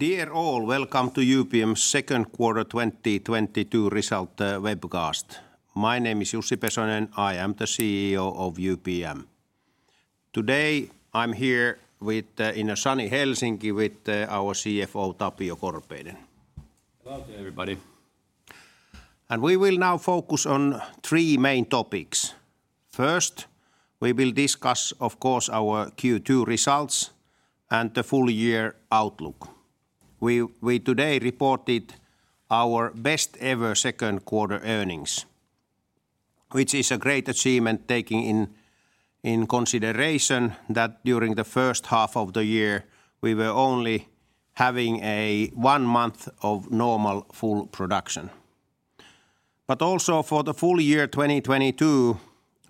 Dear all, welcome to UPM's Second Quarter 2022 Result Webcast. My name is Jussi Pesonen. I am the CEO of UPM. Today, I'm here in a sunny Helsinki with our CFO, Tapio Korpeinen. Hello to everybody. We will now focus on three main topics. First, we will discuss, of course, our Q2 results and the full-year outlook. We today reported our best ever second-quarter earnings, which is a great achievement taking into consideration that during the first half of the year, we were only having a one month of normal full production. But also, for the full year 2022,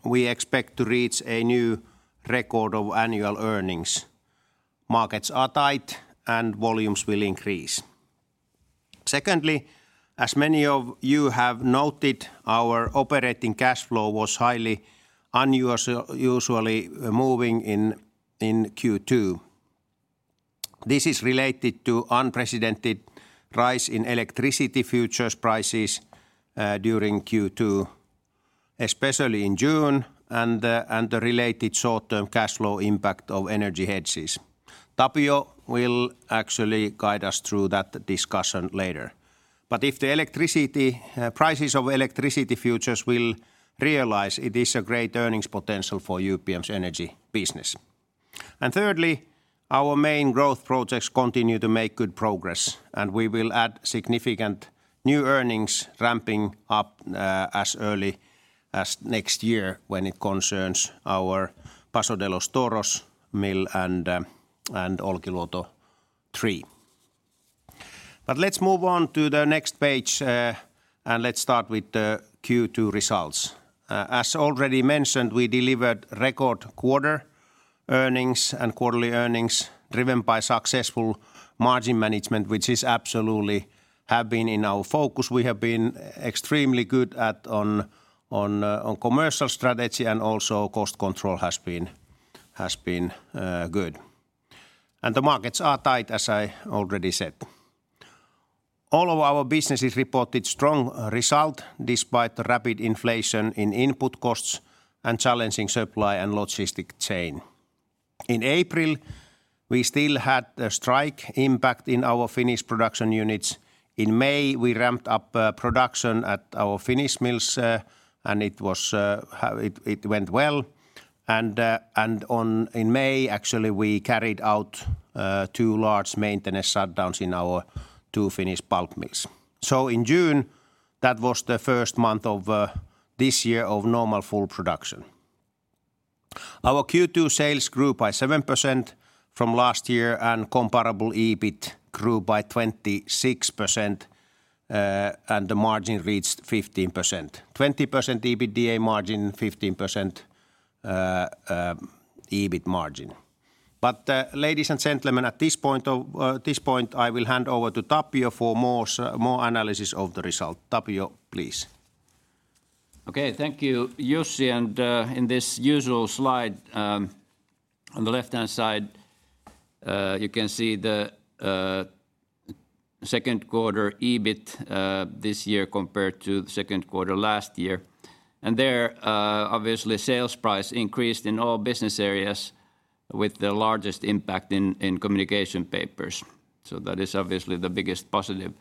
we expect to reach a new record of annual earnings. Markets are tight, and volumes will increase. Secondly, as many of you have noted, our operating cash flow was highly unusually moving in Q2. This is related to unprecedented rise in electricity futures prices during Q2, especially in June and the related short-term cash flow impact of energy hedges. Tapio will actually guide us through that discussion later. If the electricity prices of electricity futures will realize, it is a great earnings potential for UPM's energy business. Thirdly, our main growth projects continue to make good progress, and we will add significant new earnings ramping up as early as next year when it concerns our Paso de los Toros mill and Olkiluoto 3. Let's move on to the next page and let's start with the Q2 results. As already mentioned, we delivered record quarter earnings and quarterly earnings driven by successful margin management, which is absolutely have been in our focus. We have been extremely good at commercial strategy, and also cost control has been good. The markets are tight, as I already said. All of our businesses reported strong results despite the rapid inflation in input costs and challenging supply chain and logistics. In April, we still had a strike impact in our Finnish production units. In May, we ramped up production at our Finnish mills, and it went well. In May, actually, we carried out two large maintenance shutdowns in our two Finnish pulp mills. In June, that was the first month of this year of normal full production. Our Q2 sales grew by 7% from last year, and comparable EBIT grew by 26%, and the margin reached 15%. 20% EBITDA margin, 15% EBIT margin. Ladies and gentlemen, at this point, I will hand over to Tapio for more analysis of the result. Tapio, please. Okay. Thank you, Jussi, and in this usual slide on the left-hand side you can see the second quarter EBIT this year compared to the second quarter last year. There obviously sales price increased in all business areas with the largest impact in Communication Papers. That is obviously the biggest positive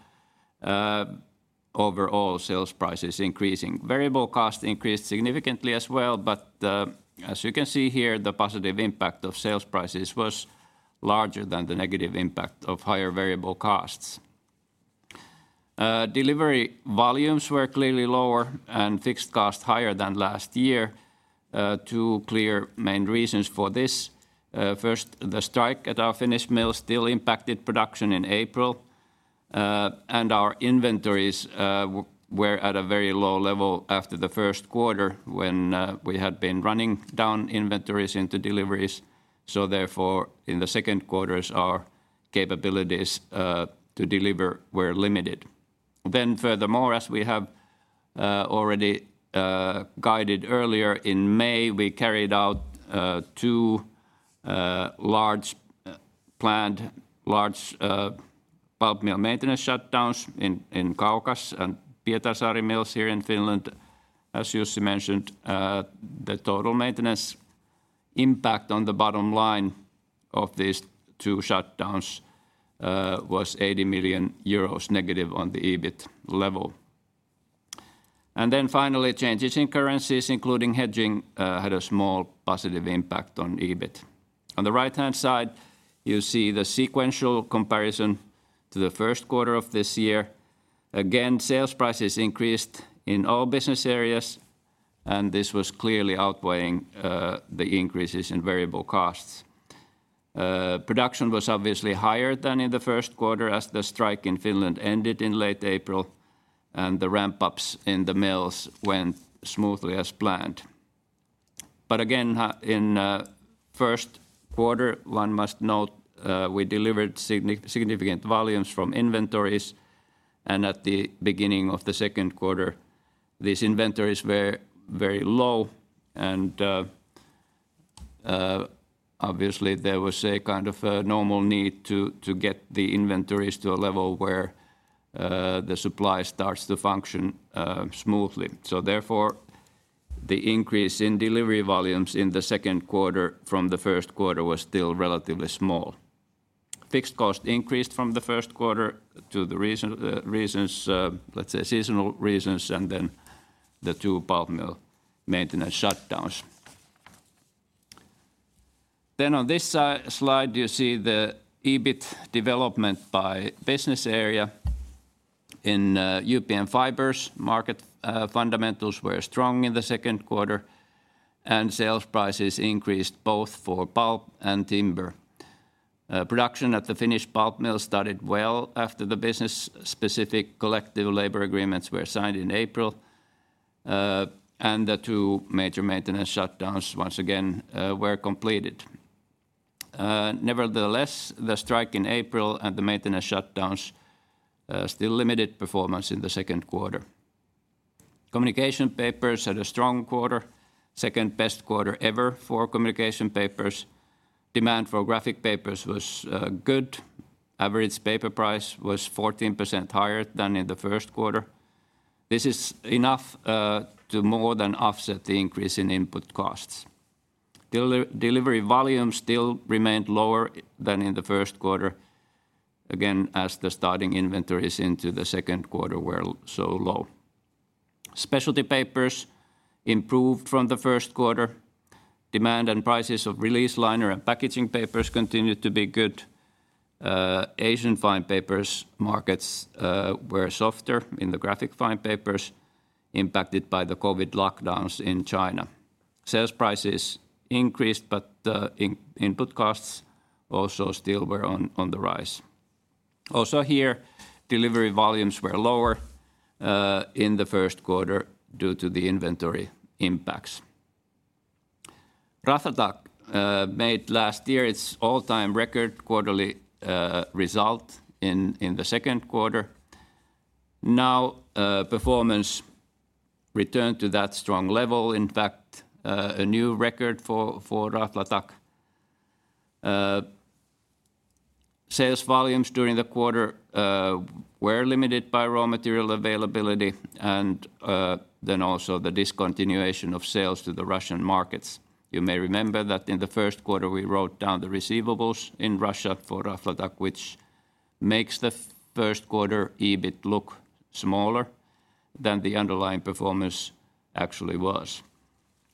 overall sales prices increasing. Variable cost increased significantly as well, but as you can see here, the positive impact of sales prices was larger than the negative impact of higher variable costs. Delivery volumes were clearly lower and fixed cost higher than last year. Two clear main reasons for this, first, the strike at our Finnish mill still impacted production in April, and our inventories were at a very low level after the first quarter when we had been running down inventories into deliveries. In the second quarters, our capabilities to deliver were limited. Furthermore, as we have already guided earlier, in May, we carried out two large planned pulp mill maintenance shutdowns in Kaukas and Pietarsaari mills here in Finland. As Jussi mentioned, the total maintenance impact on the bottom line of these two shutdowns was 80 million euros negative on the EBIT level. Finally, changes in currencies, including hedging, had a small positive impact on EBIT. On the right-hand side, you see the sequential comparison to the first quarter of this year. Again, sales prices increased in all business areas, and this was clearly outweighing the increases in variable costs. Production was obviously higher than in the first quarter as the strike in Finland ended in late April, and the ramp-ups in the mills went smoothly as planned. In first quarter, one must note, we delivered significant volumes from inventories, and at the beginning of the second quarter, these inventories were very low, and obviously there was a kind of a normal need to get the inventories to a level where the supply starts to function smoothly. The increase in delivery volumes in the second quarter from the first quarter was still relatively small. Fixed costs increased from the first quarter due to reasons, let's say seasonal reasons and then the two pulp mill maintenance shutdowns. On this slide you see the EBIT development by business area. In UPM Fibres market, fundamentals were strong in the second quarter and sales prices increased both for pulp and timber. Production at the Finnish pulp mill started well after the business-specific collective labor agreements were signed in April. The two major maintenance shutdowns once again were completed. Nevertheless, the strike in April and the maintenance shutdowns still limited performance in the second quarter. Communication Papers had a strong quarter, second best quarter ever for Communication Papers. Demand for graphic papers was good. Average paper price was 14% higher than in the first quarter. This is enough to more than offset the increase in input costs. Delivery volumes still remained lower than in the first quarter, again, as the starting inventories into the second quarter were so low. Specialty papers improved from the first quarter. Demand and prices of release liner and packaging papers continued to be good. Asian Fine Papers markets were softer in the graphic fine papers impacted by the COVID lockdowns in China. Sales prices increased, but the input costs also still were on the rise. Also here, delivery volumes were lower in the first quarter due to the inventory impacts. Raflatac made last year its all-time record quarterly result in the second quarter. Now, performance returned to that strong level, in fact, a new record for Raflatac. Sales volumes during the quarter were limited by raw material availability and then also the discontinuation of sales to the Russian markets. You may remember that in the first quarter, we wrote down the receivables in Russia for Raflatac, which makes the first quarter EBIT look smaller than the underlying performance actually was.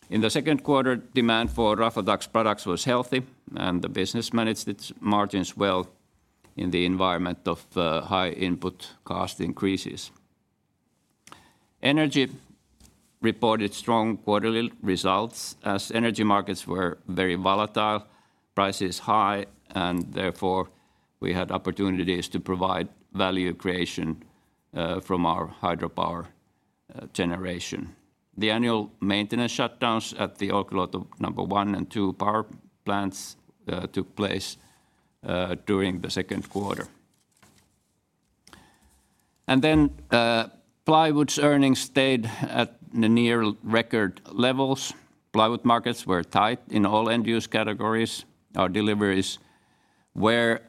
In the second quarter, demand for Raflatac's products was healthy, and the business managed its margins well in the environment of high input cost increases. Energy reported strong quarterly results as energy markets were very volatile, prices high, and therefore, we had opportunities to provide value creation from our hydropower generation. The annual maintenance shutdowns at the Olkiluoto 1 and 2 Power Plants took place during the second quarter. Plywood's earnings stayed at the near record levels. Plywood markets were tight in all end-use categories. Our deliveries were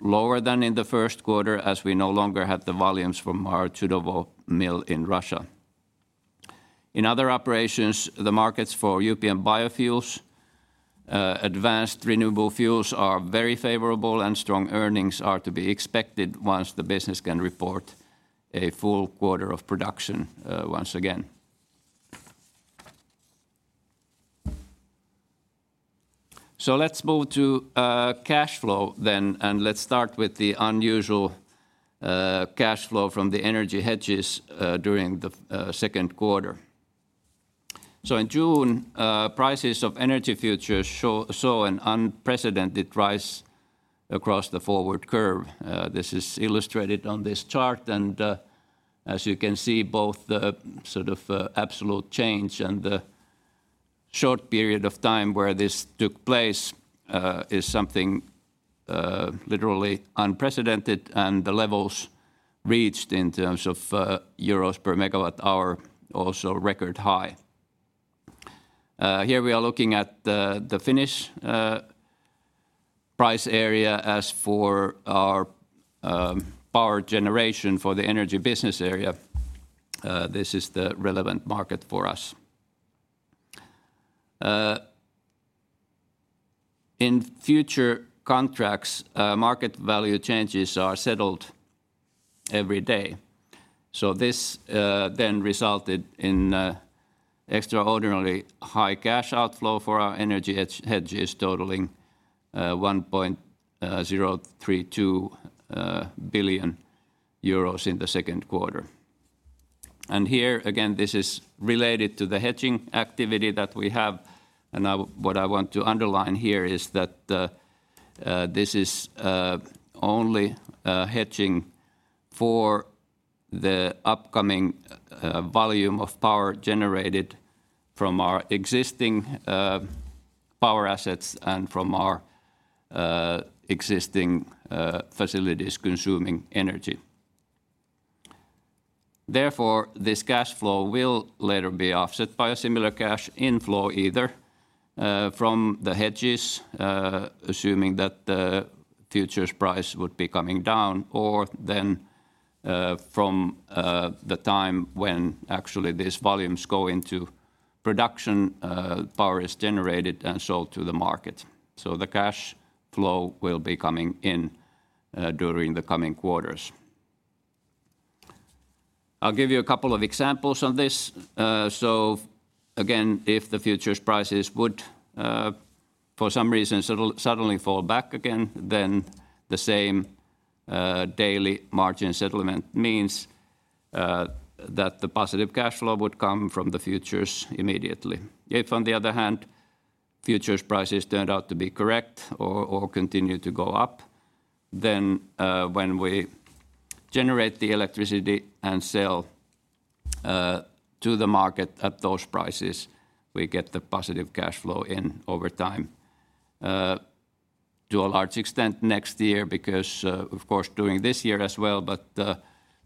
lower than in the first quarter as we no longer had the volumes from our Sudogda mill in Russia. In other operations, the markets for UPM Biofuels Advanced Renewable Fuels are very favorable and strong earnings are to be expected once the business can report a full quarter of production once again. Let's move to cash flow then, and let's start with the unusual cash flow from the energy hedges during the second quarter. In June, prices of energy futures show an unprecedented rise across the forward curve. This is illustrated on this chart, and as you can see, both the sort of absolute change and the short period of time where this took place is something literally unprecedented and the levels reached in terms of euros per megawatt hour also record high. Here we are looking at the Finnish price area for our power generation for the energy business area. This is the relevant market for us. In future contracts, market value changes are settled every day. This then resulted in extraordinarily high cash outflow for our energy hedges totaling 1.032 billion euros in the second quarter. Here again, this is related to the hedging activity that we have. Now what I want to underline here is that this is only hedging for the upcoming volume of power generated from our existing power assets and from our existing facilities consuming energy. Therefore, this cash flow will later be offset by a similar cash inflow either from the hedges assuming that the futures price would be coming down, or then from the time when actually these volumes go into production, power is generated and sold to the market. The cash flow will be coming in during the coming quarters. I'll give you a couple of examples on this. Again, if the futures prices would for some reason suddenly fall back again, then the same daily margin settlement means that the positive cash flow would come from the futures immediately. If on the other hand, futures prices turned out to be correct or continue to go up, then when we generate the electricity and sell to the market at those prices, we get the positive cash flow in over time. To a large extent next year because of course during this year as well, but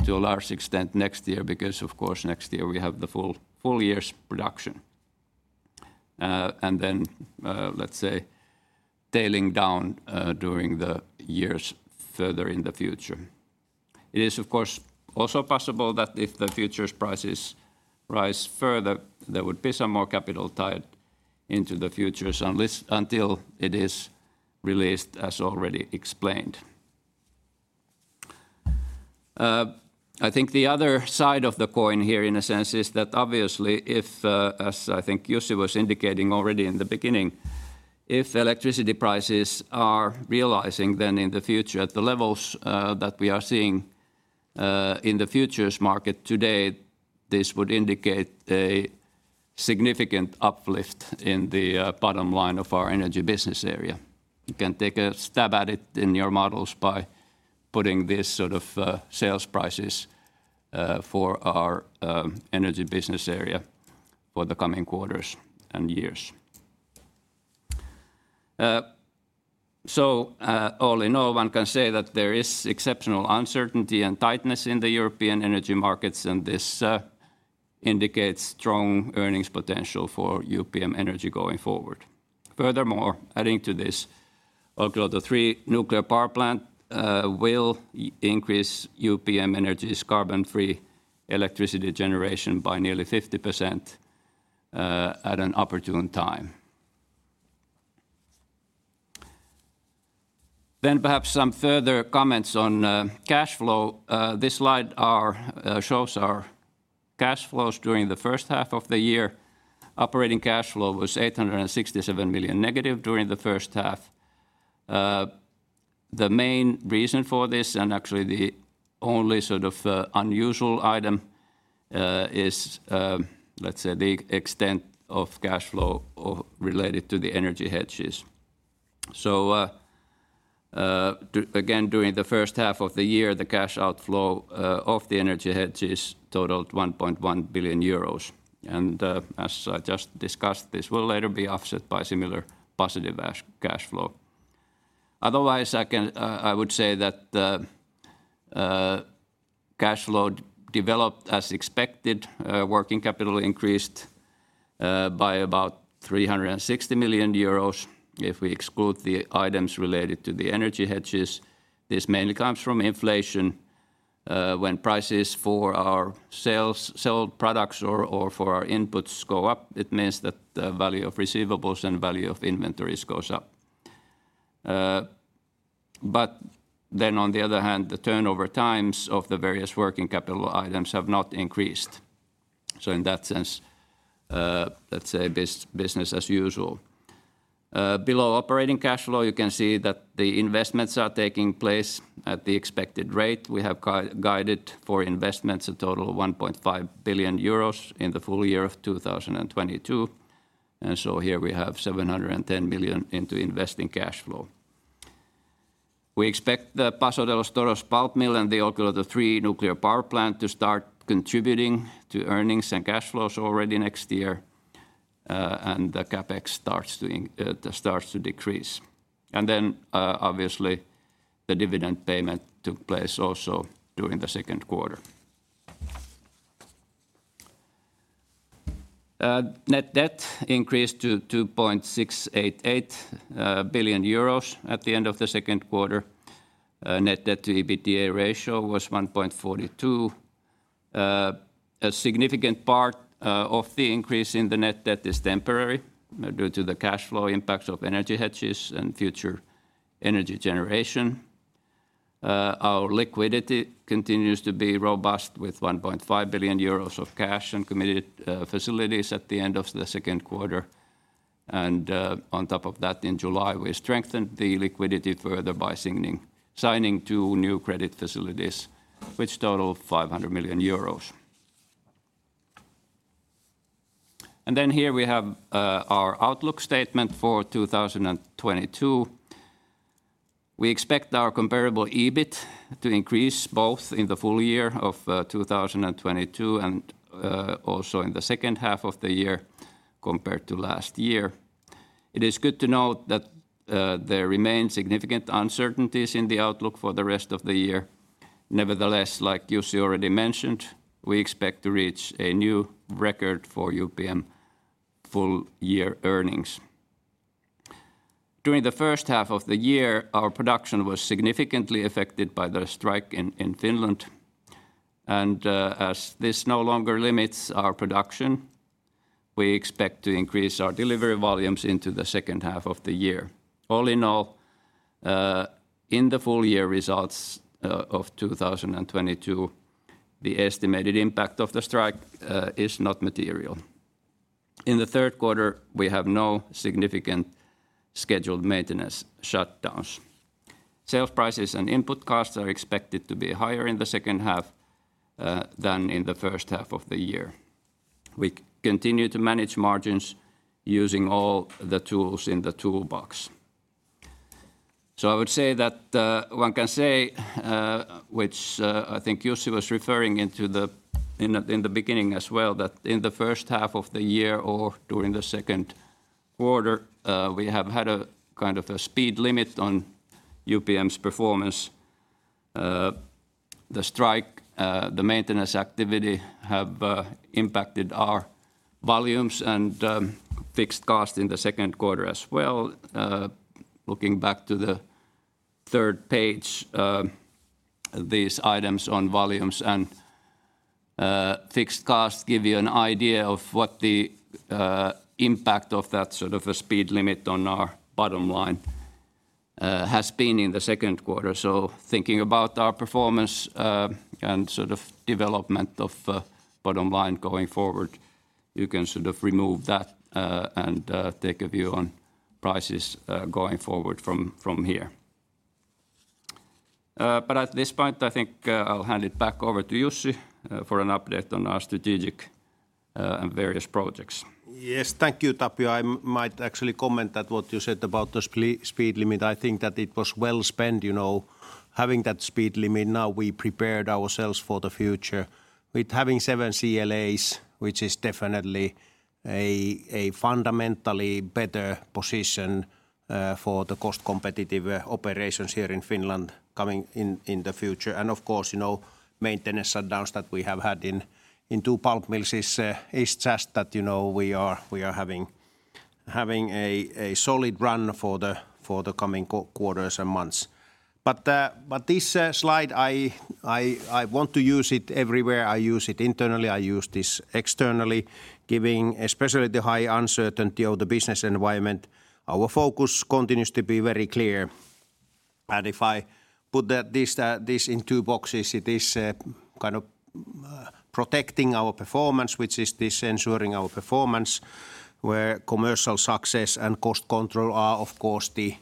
to a large extent next year, because of course next year we have the full year's production. Then let's say tailing down during the years further in the future. It is of course also possible that if the futures prices rise further, there would be some more capital tied into the futures until it is released as already explained. I think the other side of the coin here in a sense is that obviously if, as I think Jussi was indicating already in the beginning, if electricity prices are rising then in the future at the levels that we are seeing in the futures market today, this would indicate a significant uplift in the bottom line of our energy business area. You can take a stab at it in your models by putting this sort of sales prices for our energy business area for the coming quarters and years. All in all, one can say that there is exceptional uncertainty and tightness in the European energy markets, and this indicates strong earnings potential for UPM Energy going forward. Furthermore, adding to this, Olkiluoto 3 nuclear power plant will increase UPM Energy's carbon-free electricity generation by nearly 50%, at an opportune time. Perhaps some further comments on cash flow. This slide shows our cash flows during the first half of the year. Operating cash flow was -867 million during the first half. The main reason for this, and actually the only sort of unusual item, is let's say the extent of cash flow or related to the energy hedges. Again, during the first half of the year, the cash outflow of the energy hedges totaled 1.1 billion euros. As I just discussed, this will later be offset by similar positive cash flow. Otherwise, I can, I would say that the cash flow developed as expected. Working capital increased by about 360 million euros if we exclude the items related to the energy hedges. This mainly comes from inflation, when prices for our sales, sold products or for our inputs go up. It means that the value of receivables and value of inventories goes up. On the other hand, the turnover times of the various working capital items have not increased. In that sense, let's say business as usual. Below operating cash flow, you can see that the investments are taking place at the expected rate. We have guided for investments a total of 1.5 billion euros in the full year of 2022. Here we have 710 million into investing cash flow. We expect the Paso de los Toros pulp mill and the Olkiluoto 3 nuclear power plant to start contributing to earnings and cash flows already next year, and the CapEx starts to decrease. Obviously, the dividend payment took place also during the second quarter. Net debt increased to 2.688 billion euros at the end of the second quarter. Net debt to EBITDA ratio was 1.42. A significant part of the increase in the net debt is temporary due to the cash flow impacts of energy hedges and future energy generation. Our liquidity continues to be robust with 1.5 billion euros of cash and committed facilities at the end of the second quarter. On top of that, in July, we strengthened the liquidity further by signing two new credit facilities, which total 500 million euros. Here we have our outlook statement for 2022. We expect our comparable EBIT to increase both in the full year of 2022 and also in the second half of the year compared to last year. It is good to know that there remain significant uncertainties in the outlook for the rest of the year. Nevertheless, like Jussi already mentioned, we expect to reach a new record for UPM full year earnings. During the first half of the year, our production was significantly affected by the strike in Finland. As this no longer limits our production, we expect to increase our delivery volumes into the second half of the year. All in all, in the full year results of 2022, the estimated impact of the strike is not material. In the third quarter, we have no significant scheduled maintenance shutdowns. Sales prices and input costs are expected to be higher in the second half than in the first half of the year. We continue to manage margins using all the tools in the toolbox. I would say that one can say which I think Jussi was referring to in the beginning as well, that in the first half of the year or during the second quarter we have had a kind of a speed limit on UPM's performance. The strike, the maintenance activity have impacted our volumes and fixed cost in the second quarter as well. Looking back to the third page, these items on volumes and fixed costs give you an idea of what the impact of that sort of a speed limit on our bottom line has been in the second quarter. Thinking about our performance and sort of development of bottom line going forward, you can sort of remove that and take a view on prices going forward from here. At this point, I think I'll hand it back over to Jussi for an update on our strategic and various projects. Yes. Thank you, Tapio. I might actually comment that what you said about the speed limit, I think that it was well spent, you know, having that speed limit now, we prepared ourselves for the future. With having seven CLAs, which is definitely a fundamentally better position for the cost-competitive operations here in Finland coming in the future. Of course, you know, maintenance shutdowns that we have had in two pulp mills is just that, you know, we are having a solid run for the coming quarters and months. This slide, I want to use it everywhere. I use it internally, I use this externally, especially given the high uncertainty of the business environment. Our focus continues to be very clear. If I put this in two boxes, it is kind of protecting our performance, which is ensuring our performance, where commercial success and cost control are, of course, the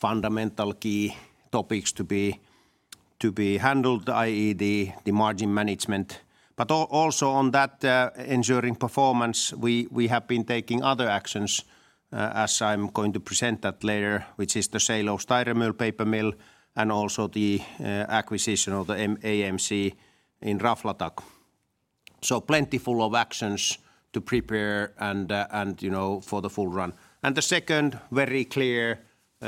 fundamental key topics to be handled, i.e., the margin management. But also, on that ensuring performance, we have been taking other actions as I'm going to present that later, which is the sale of the Steyrermühl mill and also the acquisition of the AMC in Raflatac. Plentiful of actions to prepare and, you know, for the full run. The second very clear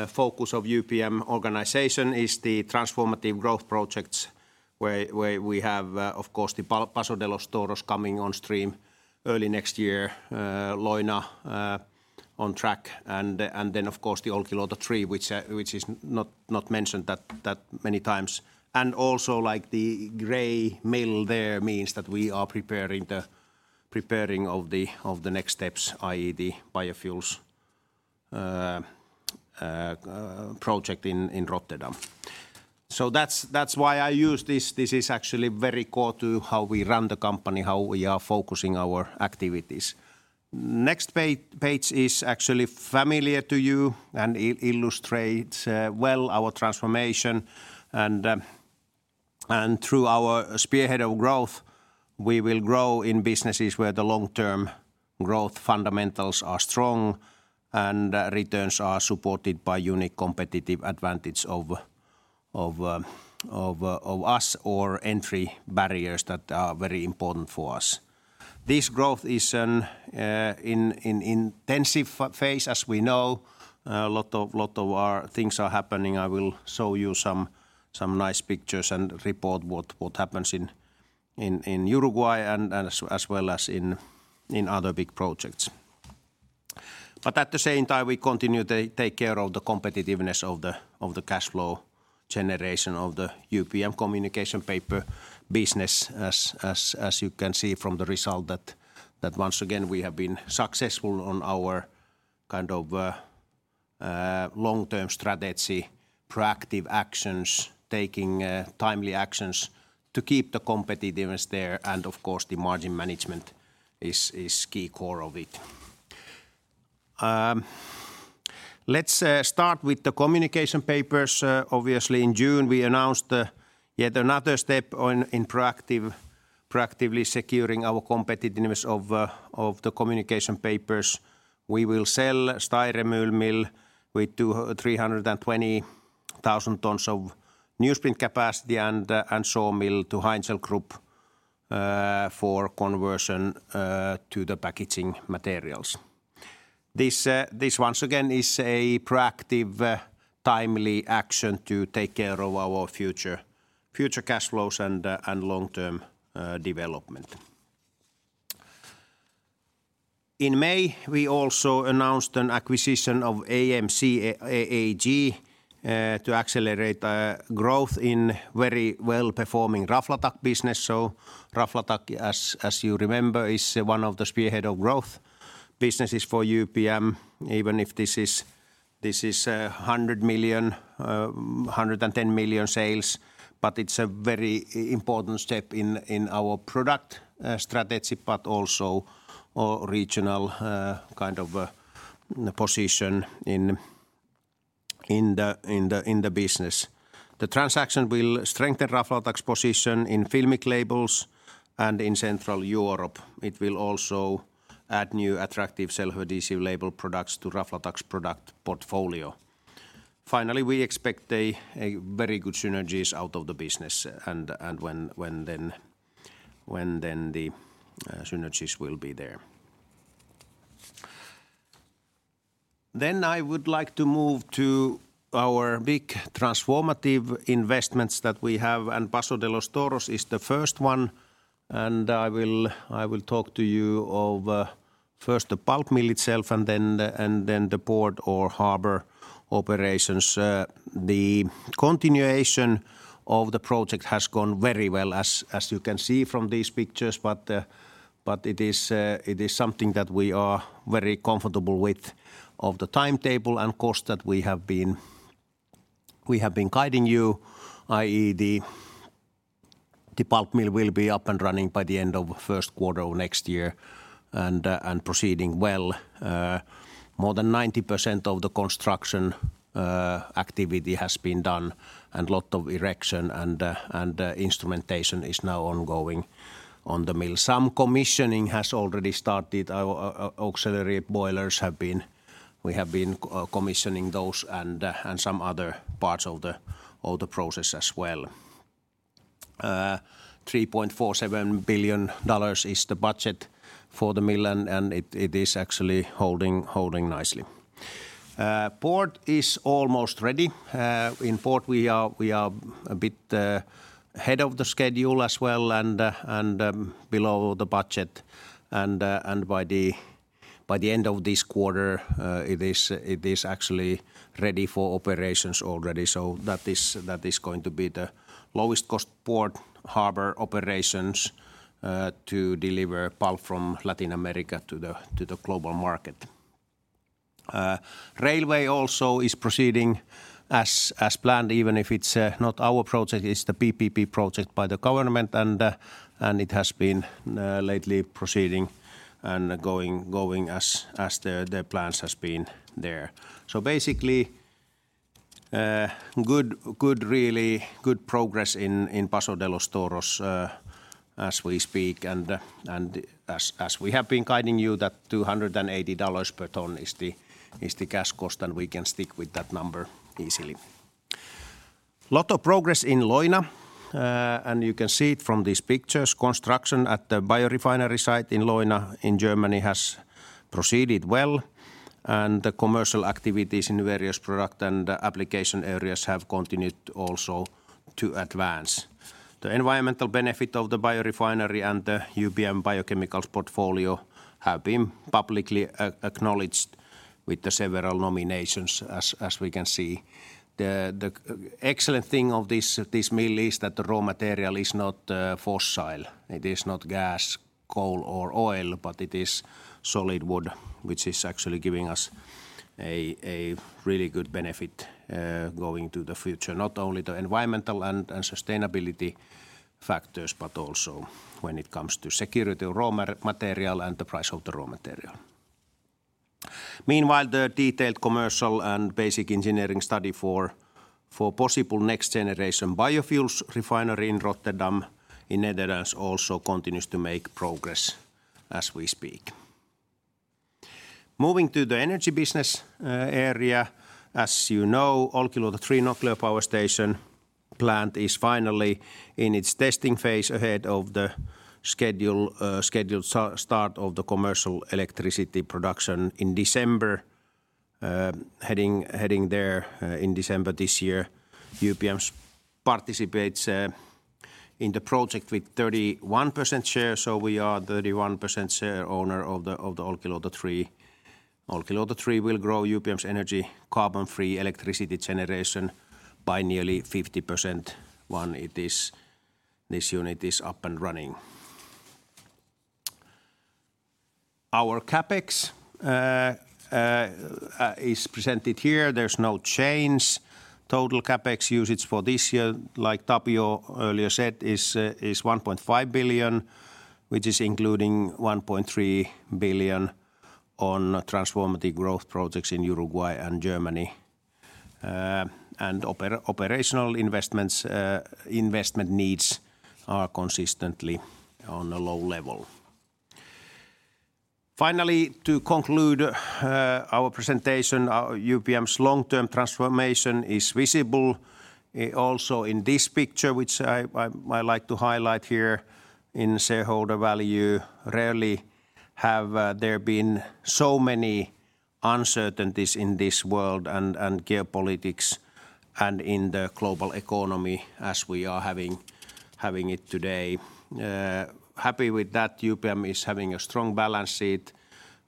focus of UPM organization is the transformative growth projects where we have, of course, the Paso de los Toros coming on stream early next year, Leuna on track, and then of course, the Olkiluoto 3 which is not mentioned that many times. Also, like the Leuna mill there means that we are preparing of the next steps, i.e., the biofuels project in Rotterdam. That's why I use this. This is actually very core to how we run the company, how we are focusing our activities. Next page is actually familiar to you and illustrates well our transformation. Through our spearhead of growth, we will grow in businesses where the long-term growth fundamentals are strong and returns are supported by unique competitive advantage of us or entry barriers that are very important for us. This growth is in intensive phase as we know. A lot of our things are happening. I will show you some nice pictures and report what happens in Uruguay and as well as in other big projects. But at the same time, we continue to take care of the competitiveness of the cash flow generation of the UPM Communication Papers business. As you can see from the result that once again, we have been successful on our kind of long-term strategy, proactive actions, taking timely actions to keep the competitiveness there, and of course, the margin management is key core of it. Let's start with the Communication Papers. Obviously, in June, we announced yet another step in proactively securing our competitiveness of the Communication Papers. We will sell Steyrermühl mill with 320,000 tons of newsprint capacity and saw mill to Heinzel Group for conversion to the packaging materials. This once again is a proactive timely action to take care of our future cash flows and long-term development. In May, we also announced an acquisition of AMC AG to accelerate growth in very well-performing Raflatac business. Raflatac as you remember is one of the spearhead of growth businesses for UPM, even if this is 110 million sales, but it's a very important step in our product strategy, but also our regional kind of position in the business. The transaction will strengthen Raflatac's position in filmic labels and in Central Europe. It will also add new attractive self-adhesive label products to Raflatac's product portfolio. Finally, we expect a very good synergies out of the business and when the synergies will be there. I would like to move to our big transformative investments that we have, and Paso de los Toros is the first one. I will talk to you about first the pulp mill itself and then the port or harbor operations. The continuation of the project has gone very well, as you can see from these pictures, but it is something that we are very comfortable with the timetable and cost that we have been guiding you, i.e., the pulp mill will be up and running by the end of first quarter of next year and proceeding well. More than 90% of the construction activity has been done, and a lot of erection and instrumentation is now ongoing on the mill. Some commissioning has already started. We have been commissioning auxiliary boilers and some other parts of the process as well. $3.47 billion is the budget for the mill, and it is actually holding nicely. Port is almost ready. In port, we are a bit ahead of the schedule as well and below the budget. By the end of this quarter, it is actually ready for operations already. That is going to be the lowest cost port harbor operations to deliver pulp from Latin America to the global market. Railway also is proceeding as planned, even if it's not our project, it's the PPP project by the government and it has been lately proceeding and going as the plans has been there. Basically good progress in Paso de los Toros as we speak. As we have been guiding you, that $280 per ton is the cash cost, and we can stick with that number easily. Lot of progress in Leuna and you can see it from these pictures. Construction at the biorefinery site in Leuna in Germany has proceeded well, and the commercial activities in various product and application areas have continued also to advance. The environmental benefit of the biorefinery and the UPM Biochemical Portfolio have been publicly acknowledged with several nominations as we can see. The excellent thing of this mill is that the raw material is not fossil. It is not gas, coal, or oil, but it is solid wood, which is actually giving us a really good benefit going to the future, not only the environmental and sustainability factors, but also when it comes to security of raw material and the price of the raw material. Meanwhile, the detailed commercial and basic engineering study for possible next-generation Biofuels Refinery in Rotterdam in Netherlands also continues to make progress as we speak. Moving to the energy business area, as you know, Olkiluoto 3 Nuclear Power Station plant is finally in its testing phase ahead of the schedule, scheduled start of the commercial electricity production in December, heading there in December this year. UPM participates in the project with 31% share, so we are 31% share owner of the Olkiluoto 3. Olkiluoto 3 will grow UPM's energy carbon-free electricity generation by nearly 50% when this unit is up and running. Our CapEx is presented here. There's no change. Total CapEx usage for this year, like Tapio earlier said, is 1.5 billion, which is including 1.3 billion on transformative growth projects in Uruguay and Germany. Operational investments, investment needs are consistently on a low level. Finally, to conclude, our presentation, our UPM's long-term transformation is visible, also in this picture, which I like to highlight here in shareholder value. Rarely have there been so many uncertainties in this world and geopolitics and in the global economy as we are having it today. Happy with that UPM is having a strong balance sheet.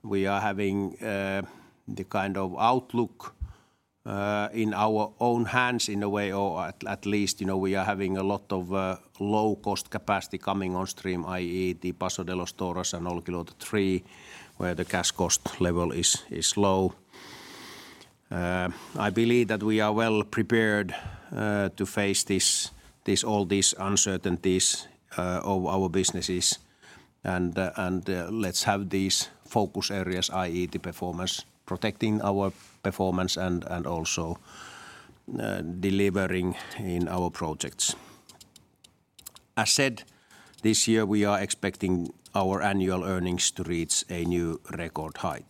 We are having the kind of outlook in our own hands in a way or at least, you know, we are having a lot of low cost capacity coming on stream, i.e., the Paso de los Toros and Olkiluoto 3, where the cash cost level is low. I believe that we are well prepared to face all these uncertainties of our businesses and let's have these focus areas, i.e., the performance, protecting our performance and also delivering in our projects. As said, this year, we are expecting our annual earnings to reach a new record height.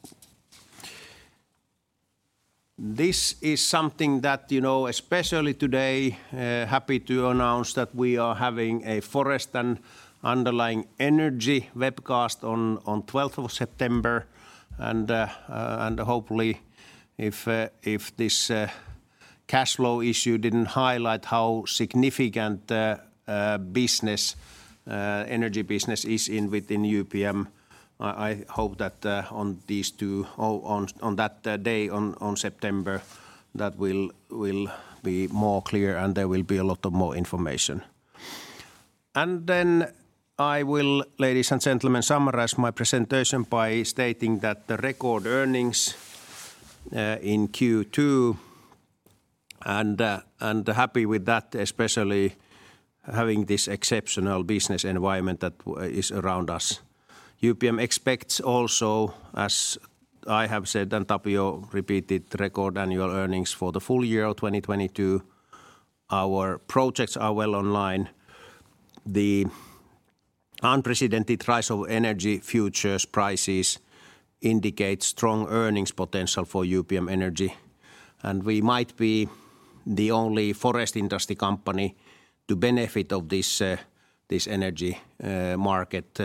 This is something that, you know, especially today, happy to announce that we are having a forest and underlying energy webcast on twelfth of September, and hopefully, if this cash flow issue didn't highlight how significant the energy business is within UPM, I hope that on that day on September that will be more clear and there will be a lot more information. Then I will, ladies and gentlemen, summarize my presentation by stating that the record earnings in Q2 and happy with that, especially having this exceptional business environment that is around us. UPM expects also, as I have said and Tapio repeated, record annual earnings for the full year of 2022. Our projects are well online. The unprecedented rise of energy futures prices indicate strong earnings potential for UPM Energy, and we might be the only forest industry company to benefit of this energy market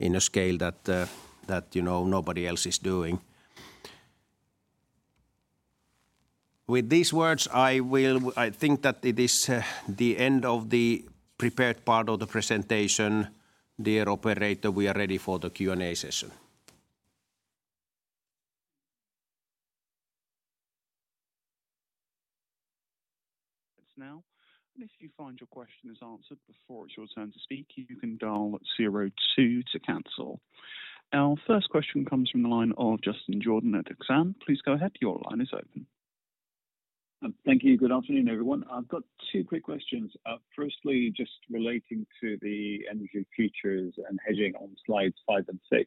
in a scale that, you know, nobody else is doing. With these words, I think that it is the end of the prepared part of the presentation. Dear operator, we are ready for the Q&A session. Now, if you find your question is answered before it's your turn to speak, you can dial zero two to cancel. Our first question comes from the line of Justin Jordan at Exane. Please go ahead. Your line is open. Thank you. Good afternoon, everyone. I've got two quick questions. Firstly, just relating to the energy futures and hedging on slides 5 and 6.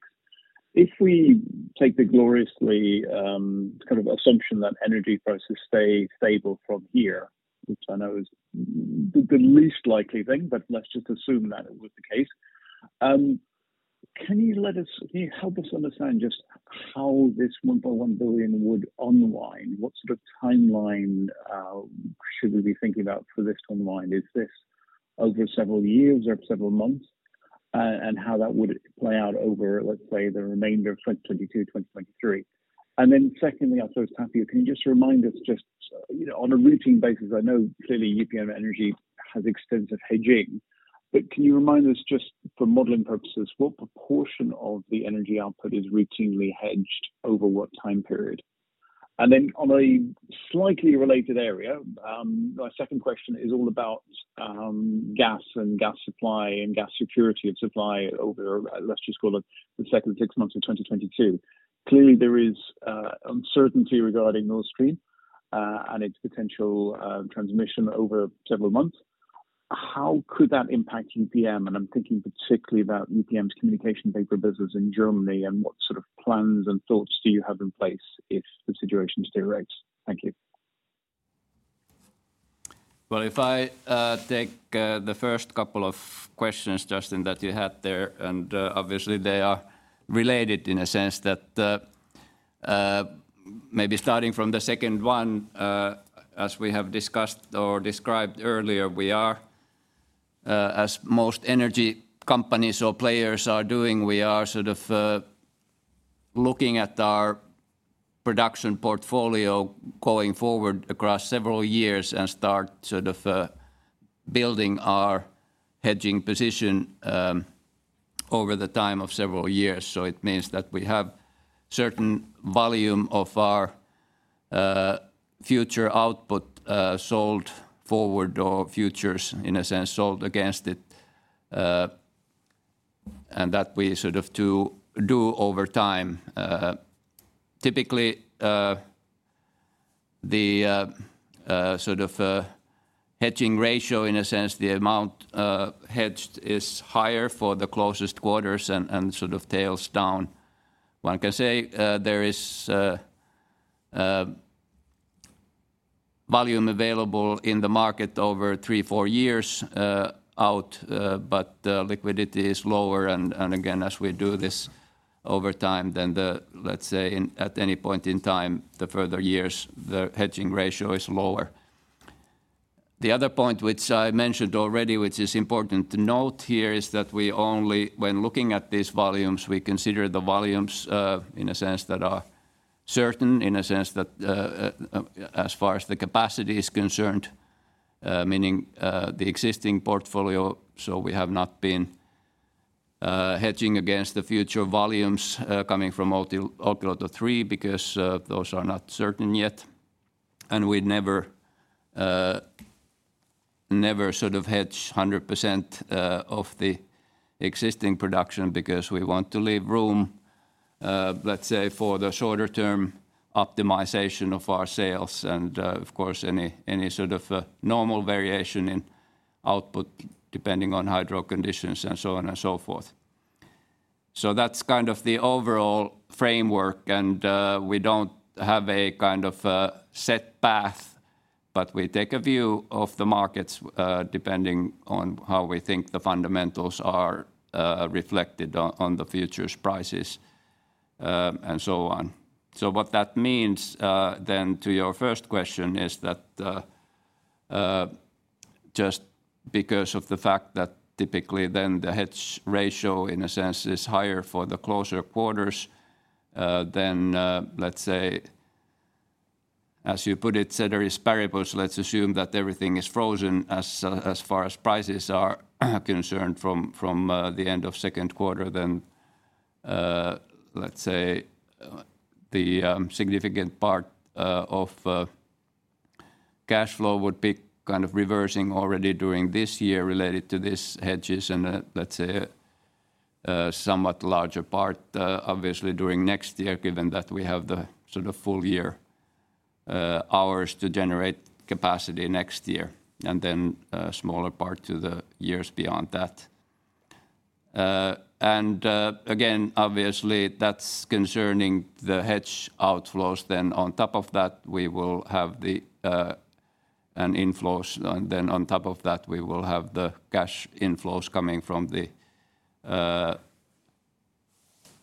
If we take the gloriously kind of assumption that energy prices stay stable from here, which I know is the least likely thing, but let's just assume that it was the case, can you help us understand just how this 1.1 billion would unwind? What sort of timeline should we be thinking about for this to unwind? Is this over several years or several months? And how that would play out over, let's say, the remainder of 2022, 2023. Secondly, I'll throw to Tapio. Can you just remind us just, you know, on a routine basis, I know clearly UPM Energy has extensive hedging, but can you remind us just for modeling purposes, what proportion of the energy output is routinely hedged over what time period? On a slightly related area, my second question is all about gas and gas supply and gas security of supply over, let's just call it the second six months of 2022. Clearly, there is uncertainty regarding Nord Stream and its potential transmission over several months. How could that impact UPM? I'm thinking particularly about UPM's Communication Papers business in Germany, and what sort of plans and thoughts do you have in place if the situation deteriorates? Thank you. Well, if I take the first couple of questions, Justin, that you had there, and obviously they are related in a sense that maybe starting from the second one, as we have discussed or described earlier, we are as most energy companies or players are doing, we are sort of looking at our production portfolio going forward across several years and start sort of building our hedging position over the time of several years. It means that we have certain volume of our future output sold forward or futures, in a sense, sold against it, and that we sort of to do over time. Typically, the sort of hedging ratio, in a sense, the amount hedged is higher for the closest quarters and sort of tails down. One can say there is. Volume available in the market over three, four years out, but liquidity is lower and again, as we do this over time, then the. Let's say, at any point in time, the further years, the hedging ratio is lower. The other point which I mentioned already, which is important to note here, is that we only when looking at these volumes, we consider the volumes in a sense that are certain as far as the capacity is concerned, meaning the existing portfolio, so we have not been hedging against the future volumes coming from Olkiluoto 3 because those are not certain yet. We never sort of hedge 100% of the existing production because we want to leave room, let's say, for the short-term optimization of our sales and, of course, any sort of normal variation in output depending on hydro conditions and so on and so forth. That's kind of the overall framework and we don't have a kind of a set path, but we take a view of the markets depending on how we think the fundamentals are reflected on the futures prices and so on. What that means, then to your first question is that, just because of the fact that typically then the hedge ratio in a sense is higher for the closer quarters, than, let's say, as you put it, ceteris paribus, let's assume that everything is frozen as far as prices are concerned from, the end of second quarter than, let's say, the, significant part, of, cashflow would be kind of reversing already during this year related to these hedges and, let's say, somewhat larger part, obviously, during next year, given that we have the sort of full year, hours to generate capacity next year, and then a smaller part to the years beyond that. Again, obviously, that's concerning the hedge outflows. On top of that, we will have the cash inflows coming from the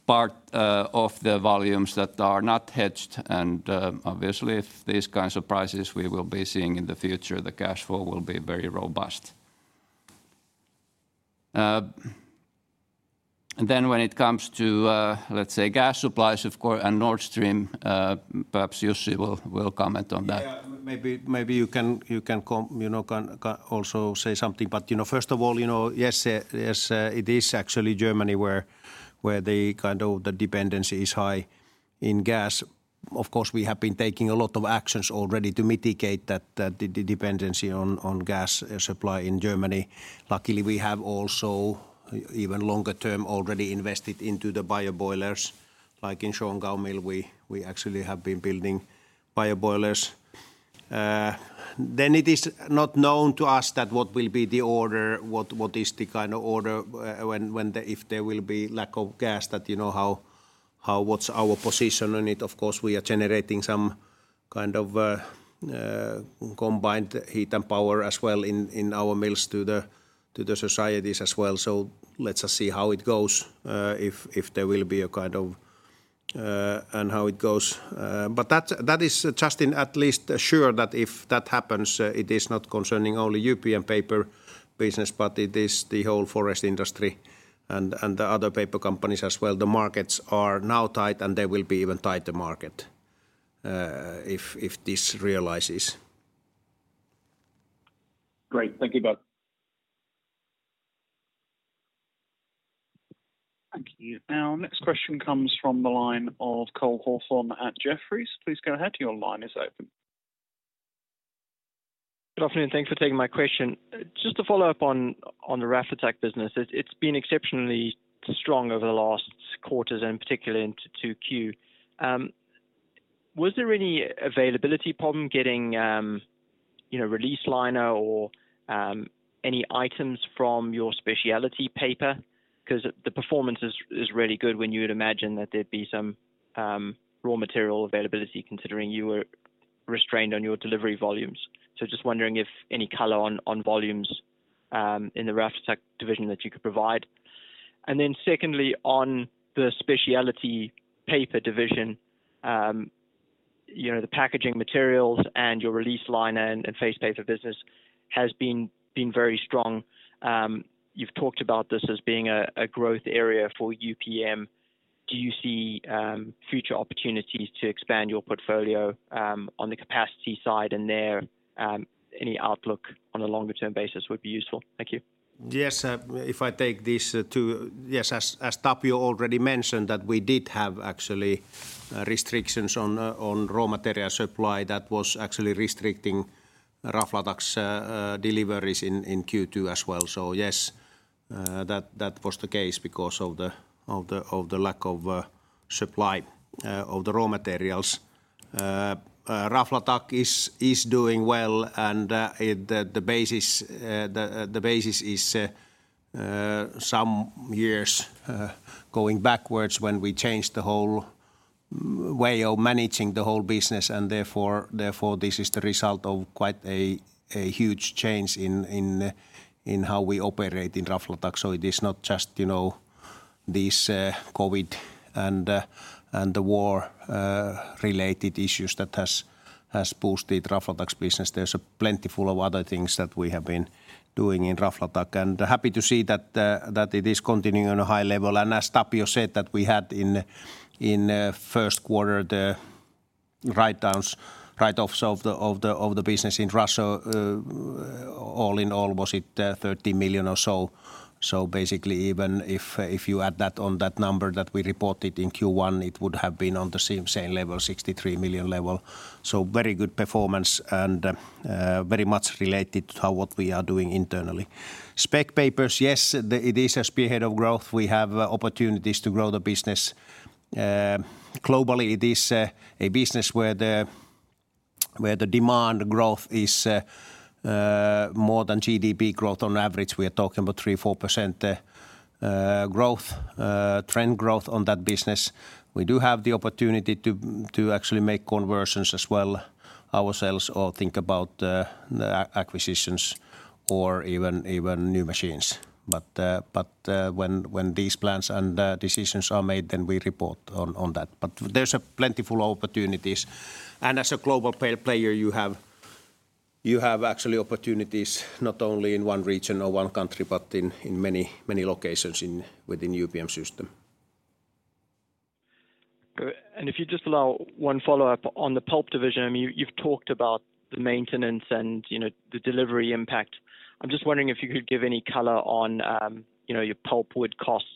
part of the volumes that are not hedged. Obviously, if these kinds of prices we will be seeing in the future, the cash flow will be very robust. When it comes to, let's say, gas supplies, of course, and Nord Stream, perhaps Jussi will comment on that. Maybe you can also say something, but you know, first of all, you know, yes, it is actually Germany where the kind of the dependency is high in gas. Of course, we have been taking a lot of actions already to mitigate that dependency on gas supply in Germany. Luckily, we have also even longer term already invested into the bio boilers, like in Schongau mill we actually have been building bio boilers. Then it is not known to us what will be the order, what is the kind of order when there will be lack of gas, you know, how what's our position on it. Of course, we are generating some kind of combined heat and power as well in our mills to the societies as well. Let's just see how it goes, if there will be a kind of. How it goes. But that is just to at least assure that if that happens, it is not concerning only UPM paper business, but it is the whole forest industry and the other paper companies as well. The markets are now tight, and they will be even tighter market, if this realizes. Great. Thank you both. Thank you. Our next question comes from the line of Cole Hathorn at Jefferies. Please go ahead. Your line is open. Good afternoon. Thanks for taking my question. Just to follow up on the Raflatac business. It's been exceptionally strong over the last quarters and particularly into 2Q. Was there any availability problem getting, you know, release liner or any items from your specialty paper? 'Cause the performance is really good when you would imagine that there'd be some raw material availability considering you were restrained on your delivery volumes. So just wondering if any color on volumes in the Raflatac division that you could provide. Then secondly, on the specialty paper division, you know, the packaging materials and your release liner and face paper business has been very strong. You've talked about this as being a growth area for UPM. Do you see future opportunities to expand your portfolio on the capacity side in there? Any outlook on a longer-term basis would be useful. Thank you. Yes, as Tapio already mentioned, that we did have actually restrictions on raw material supply that was actually restricting Raflatac's deliveries in Q2 as well. Yes, that was the case because of the lack of supply of the raw materials. Raflatac is doing well and the basis, the basis is Some years going backwards when we changed the whole way of managing the whole business and therefore, this is the result of quite a huge change in how we operate in Raflatac. It is not just, you know, this COVID and the war related issues that has boosted Raflatac's business. There's plenty of other things that we have been doing in Raflatac. Happy to see that it is continuing on a high level. As Tapio said that we had in first quarter the write-downs, write-offs of the business in Russia, all in all, was it 30 million or so. Basically even if you add that on that number that we reported in Q1, it would have been on the same level, 63 million level. Very good performance and very much related to what we are doing internally. Spec papers, yes, it is a spearhead of growth. We have opportunities to grow the business. Globally, it is a business where the demand growth is more than GDP growth on average. We are talking about 3-4% growth, trend growth on that business. We do have the opportunity to actually make conversions as well ourselves or think about acquisitions or even new machines. When these plans and decisions are made, then we report on that. There's plenty of opportunities. As a global player you have actually opportunities not only in one region or one country, but in many locations within UPM system. If you just allow one follow-up on the Pulp Division. I mean, you've talked about the maintenance and, you know, the delivery impact. I'm just wondering if you could give any color on, you know, your pulpwood costs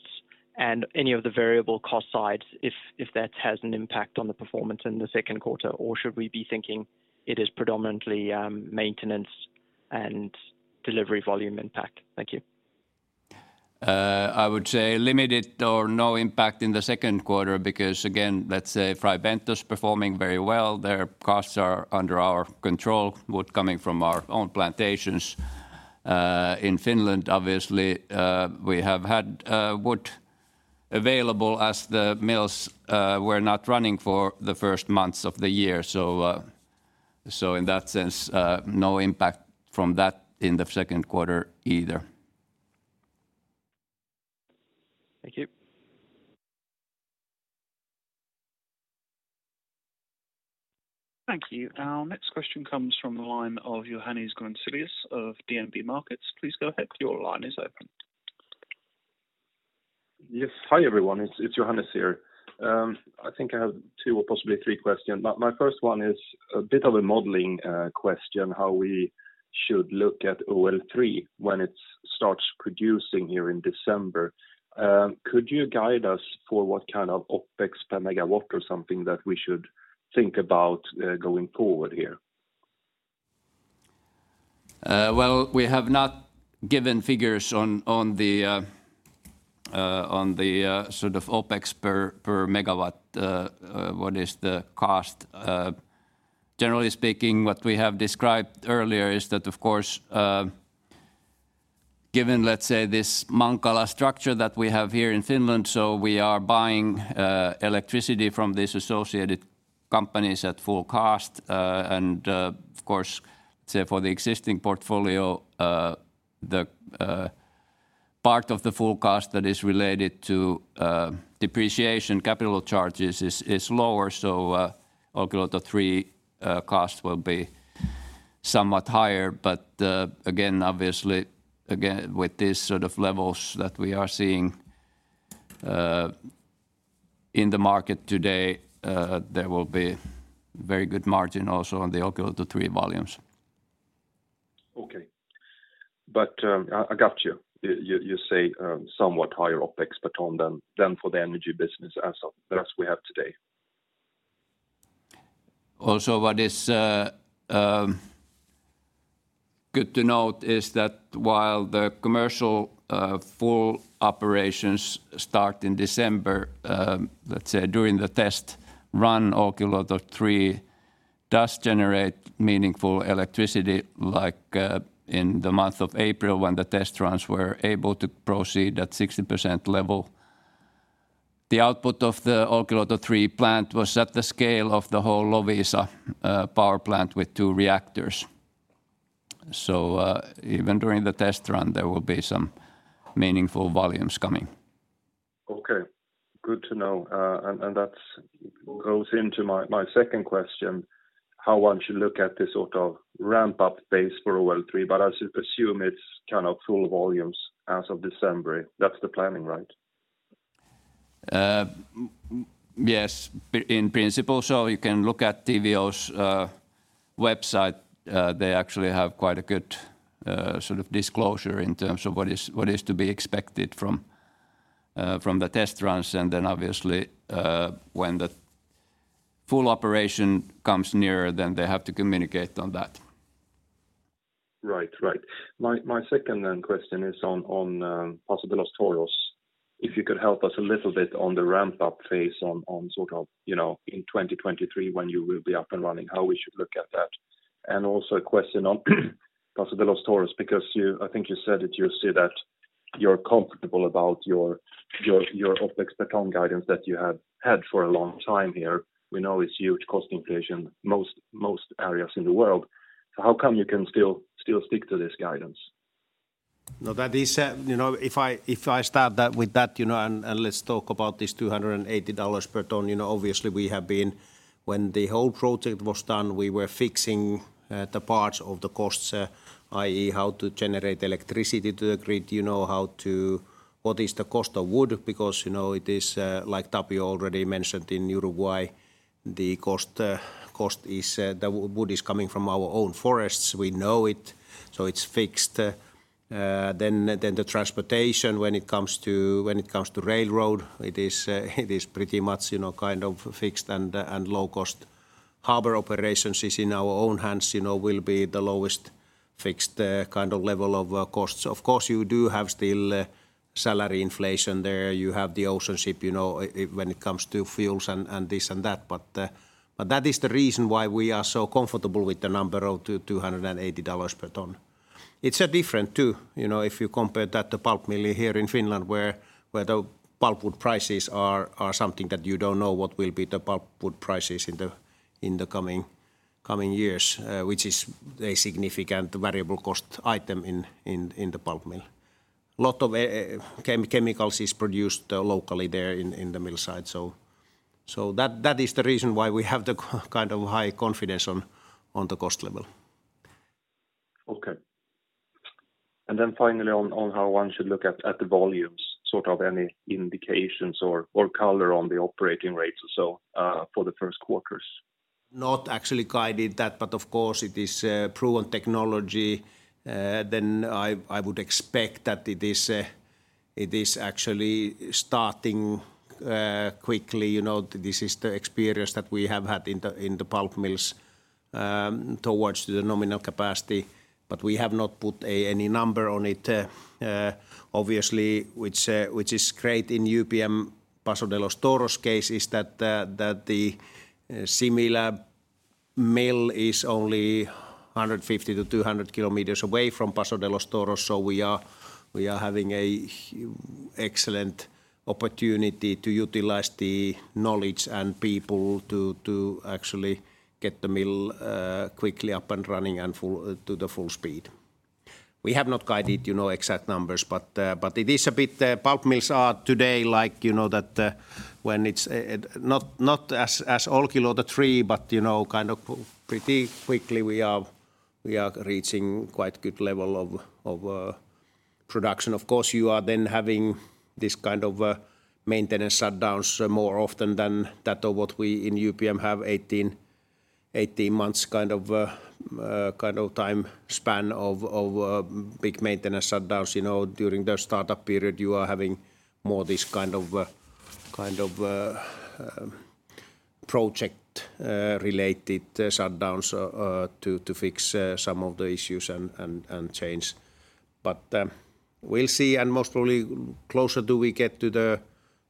and any of the variable cost sides, if that has an impact on the performance in the second quarter, or should we be thinking it is predominantly, maintenance and delivery volume impact? Thank you. I would say limited or no impact in the second quarter because, again, let's say, Fray Bentos's performing very well. Their costs are under our control, wood coming from our own plantations, in Finland, obviously. We have had wood available as the mills were not running for the first months of the year. In that sense, no impact from that in the second quarter either. Thank you. Thank you. Our next question comes from the line of Johannes Gunselius of DNB Carnegie. Please go ahead. Your line is open. Hi, everyone. It's Johannes here. I think I have two or possibly three questions. My first one is a bit of a modeling question, how we should look at Olkiluoto 3 when it starts producing here in December. Could you guide us for what kind of Opex per megawatt or something that we should think about going forward here? Well, we have not given figures on the sort of Opex per megawatt, what is the cost. Generally speaking, what we have described earlier is that, of course, given, let's say, this Mankala structure that we have here in Finland, so we are buying electricity from these associated companies at full cost. Of course, say, for the existing portfolio, the part of the full cost that is related to depreciation capital charges is lower. Olkiluoto 3 cost will be somewhat higher. Again, obviously, with these sort of levels that we are seeing in the market today, there will be very good margin also on the Olkiluoto 3 volumes. I got you. You say somewhat higher Opex, but then for the energy business that we have today. Also, what is good to note is that while the commercial full operations start in December, let's say during the test run, Olkiluoto 3 does generate meaningful electricity, like, in the month of April when the test runs were able to proceed at 60% level. The output of the Olkiluoto 3 plant was at the scale of the whole Loviisa Power Plant with two reactors. Even during the test run, there will be some meaningful volumes coming. Okay. Good to know. That goes into my second question, how one should look at this sort of ramp-up phase for Olkiluoto 3, but I should assume it's kind of full volumes as of December. That's the planning, right? Yes, in principle. You can look at TVO's website. They actually have quite a good sort of disclosure in terms of what is to be expected from the test runs. Obviously, when the full operation comes nearer, they have to communicate on that. Right. My second then question is on Paso de los Toros. If you could help us a little bit on the ramp up phase on sort of, you know, in 2023 when you will be up and running, how we should look at that. Also a question on Paso de los Toros because I think you said that you see that you're comfortable about your OpEx per ton guidance that you have had for a long time here. We know it's huge cost inflation, most areas in the world. How come you can still stick to this guidance? No, that is, you know, if I start that with that, you know, and let's talk about this $280 per ton. You know, obviously when the whole project was done, we were fixing the parts of the costs, i.e., how to generate electricity to the grid, you know, what is the cost of wood because, you know, it is, like Tapio already mentioned in Uruguay, the cost is the wood is coming from our own forests. We know it, so it's fixed. Then the transportation when it comes to railroad, it is pretty much, you know, kind of fixed and low cost. Harbor operations is in our own hands, you know, will be the lowest fixed kind of level of costs. Of course you do have still salary inflation there. You have the ocean shipping, you know, when it comes to fuels and this and that. That is the reason why we are so comfortable with the number of $280 per ton. It's different too, you know, if you compare that to pulp mill here in Finland where the pulpwood prices are something that you don't know what will be the pulpwood prices in the coming years, which is a significant variable cost item in the pulp mill. A lot of chemicals is produced locally there in the mill site. that is the reason why we have the kind of high confidence on the cost level. Okay. Finally on how one should look at the volumes, sort of any indications or color on the operating rates or so, for the first quarters. Not actually guided that, but of course it is proven technology. I would expect that it is actually starting quickly. You know, this is the experience that we have had in the pulp mills towards the nominal capacity, but we have not put any number on it. Obviously, which is great in UPM Paso de los Toros case is that the similar mill is only 150-200 kilometers away from Paso de los Toros, so we are having an excellent opportunity to utilize the knowledge and people to actually get the mill quickly up and running to the full speed. We have not guided, you know, exact numbers, but it is a bit, pulp mills are today like, you know, that when it's not as Olkiluoto 3, but you know, kind of pretty quickly we are reaching quite good level of production. Of course, you are then having this kind of maintenance shutdowns more often than that of what we in UPM have 18 months kind of time span of big maintenance shutdowns. You know, during the startup period, you are having more this kind of project related shutdowns to fix some of the issues and change. We'll see, and most probably closer do we get to the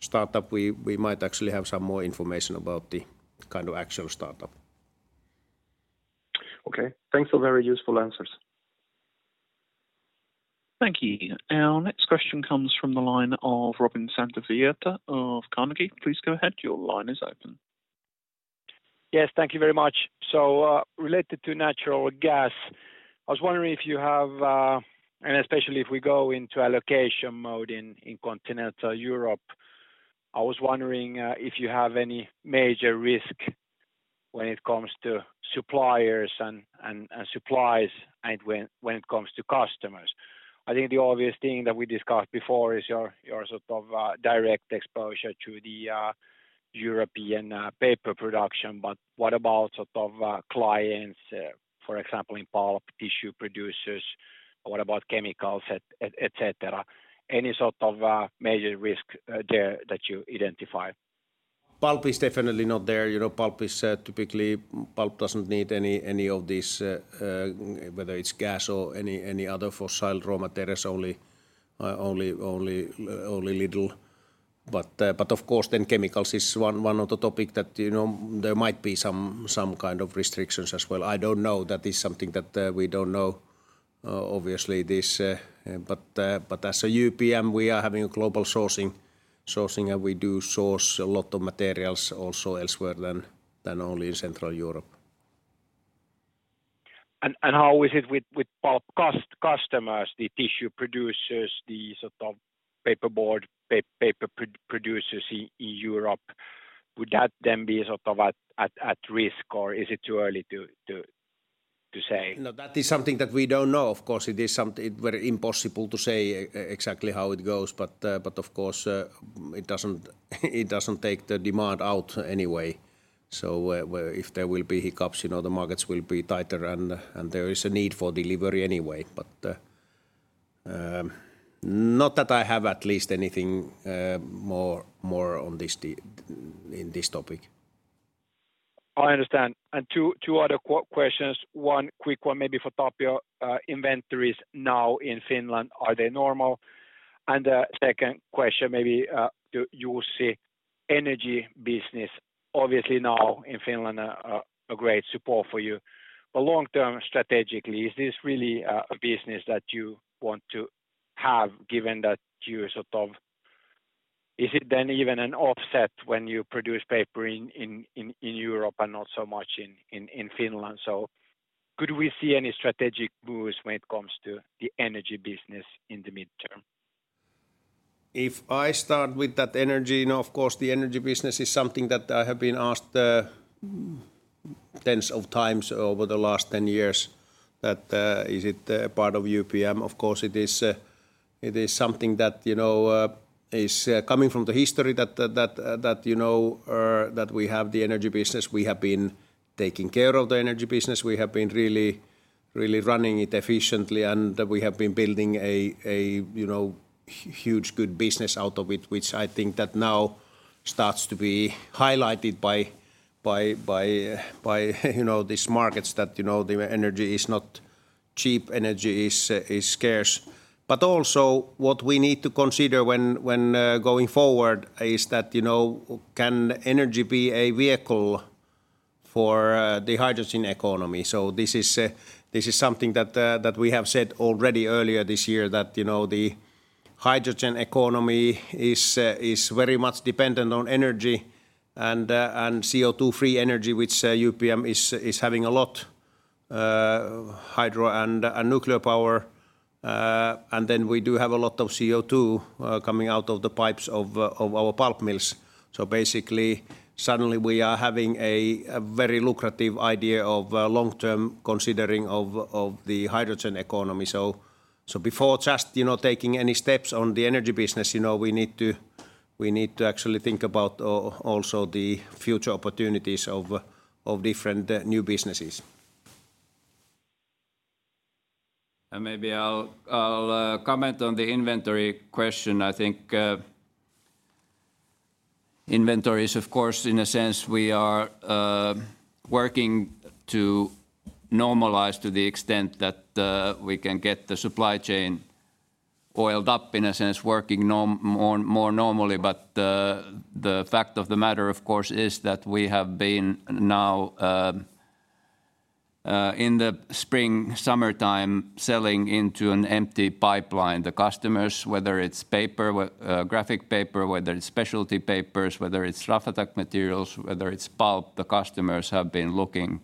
startup, we might actually have some more information about the kind of actual startup. Okay. Thanks for very useful answers. Thank you. Our next question comes from the line of Robin Santavirta of Carnegie. Please go ahead. Your line is open. Yes. Thank you very much. Related to natural gas, I was wondering if you have, and especially if we go into allocation mode in continental Europe, I was wondering if you have any major risk when it comes to suppliers and supplies and when it comes to customers. I think the obvious thing that we discussed before is your sort of direct exposure to the European paper production, but what about sort of clients, for example, in pulp tissue producers? What about chemicals et cetera? Any sort of major risk there that you identify? Pulp is definitely not there. You know, pulp is typically pulp doesn't need any of this, whether it's gas or any other fossil raw materials, only little. Of course then chemicals is one of the topic that you know there might be some kind of restrictions as well. I don't know. That is something that we don't know. Obviously, but as UPM, we are having a global sourcing, and we do source a lot of materials also elsewhere than only in Central Europe. How is it with pulp customers, the tissue producers, the sort of paperboard, paper producers in Europe? Would that then be sort of at risk or is it too early to say? No, that is something that we don't know. Of course it is something very impossible to say exactly how it goes, but of course, it doesn't take the demand out anyway. Where if there will be hiccups, you know, the markets will be tighter and there is a need for delivery anyway. Not that I have at least anything more on this topic. I understand. Two other questions. One quick one maybe for Tapio. Inventories now in Finland, are they normal? Second question, maybe, Jussi, energy business, obviously now in Finland a great support for you. But long-term strategically, is this really a business that you want to have given that you sort of. Is it then even an offset when you produce paper in Europe and not so much in Finland? So could we see any strategic moves when it comes to the energy business in the medium term? If I start with that energy, you know, of course, the energy business is something that I have been asked tens of times over the last 10 years, is it a part of UPM? Of course it is, it is something that, you know, is coming from the history that we have the energy business. We have been taking care of the energy business. We have been really running it efficiently, and we have been building a huge good business out of it, which I think that now starts to be highlighted by these markets that, you know, the energy is not cheap, energy is scarce. Also what we need to consider when going forward is that, you know, can energy be a vehicle for the hydrogen economy? This is something that we have said already earlier this year that, you know, the hydrogen economy is very much dependent on energy and CO2-free energy, which UPM is having a lot of hydro and nuclear power. We do have a lot of CO2 coming out of the pipes of our pulp mills. Basically, suddenly we are having a very lucrative idea of long-term considering of the hydrogen economy. Before just, you know, taking any steps on the energy business, you know, we need to actually think about also the future opportunities of different new businesses. Maybe I'll comment on the inventory question. I think inventories, of course, in a sense we are working to normalize to the extent that we can get the supply chain oiled up, in a sense, working more normally. The fact of the matter, of course, is that we have been now in the spring summertime selling into an empty pipeline. The customers, whether it's paper, graphic paper, whether it's specialty papers, whether it's Raflatac materials, whether it's pulp, the customers have been looking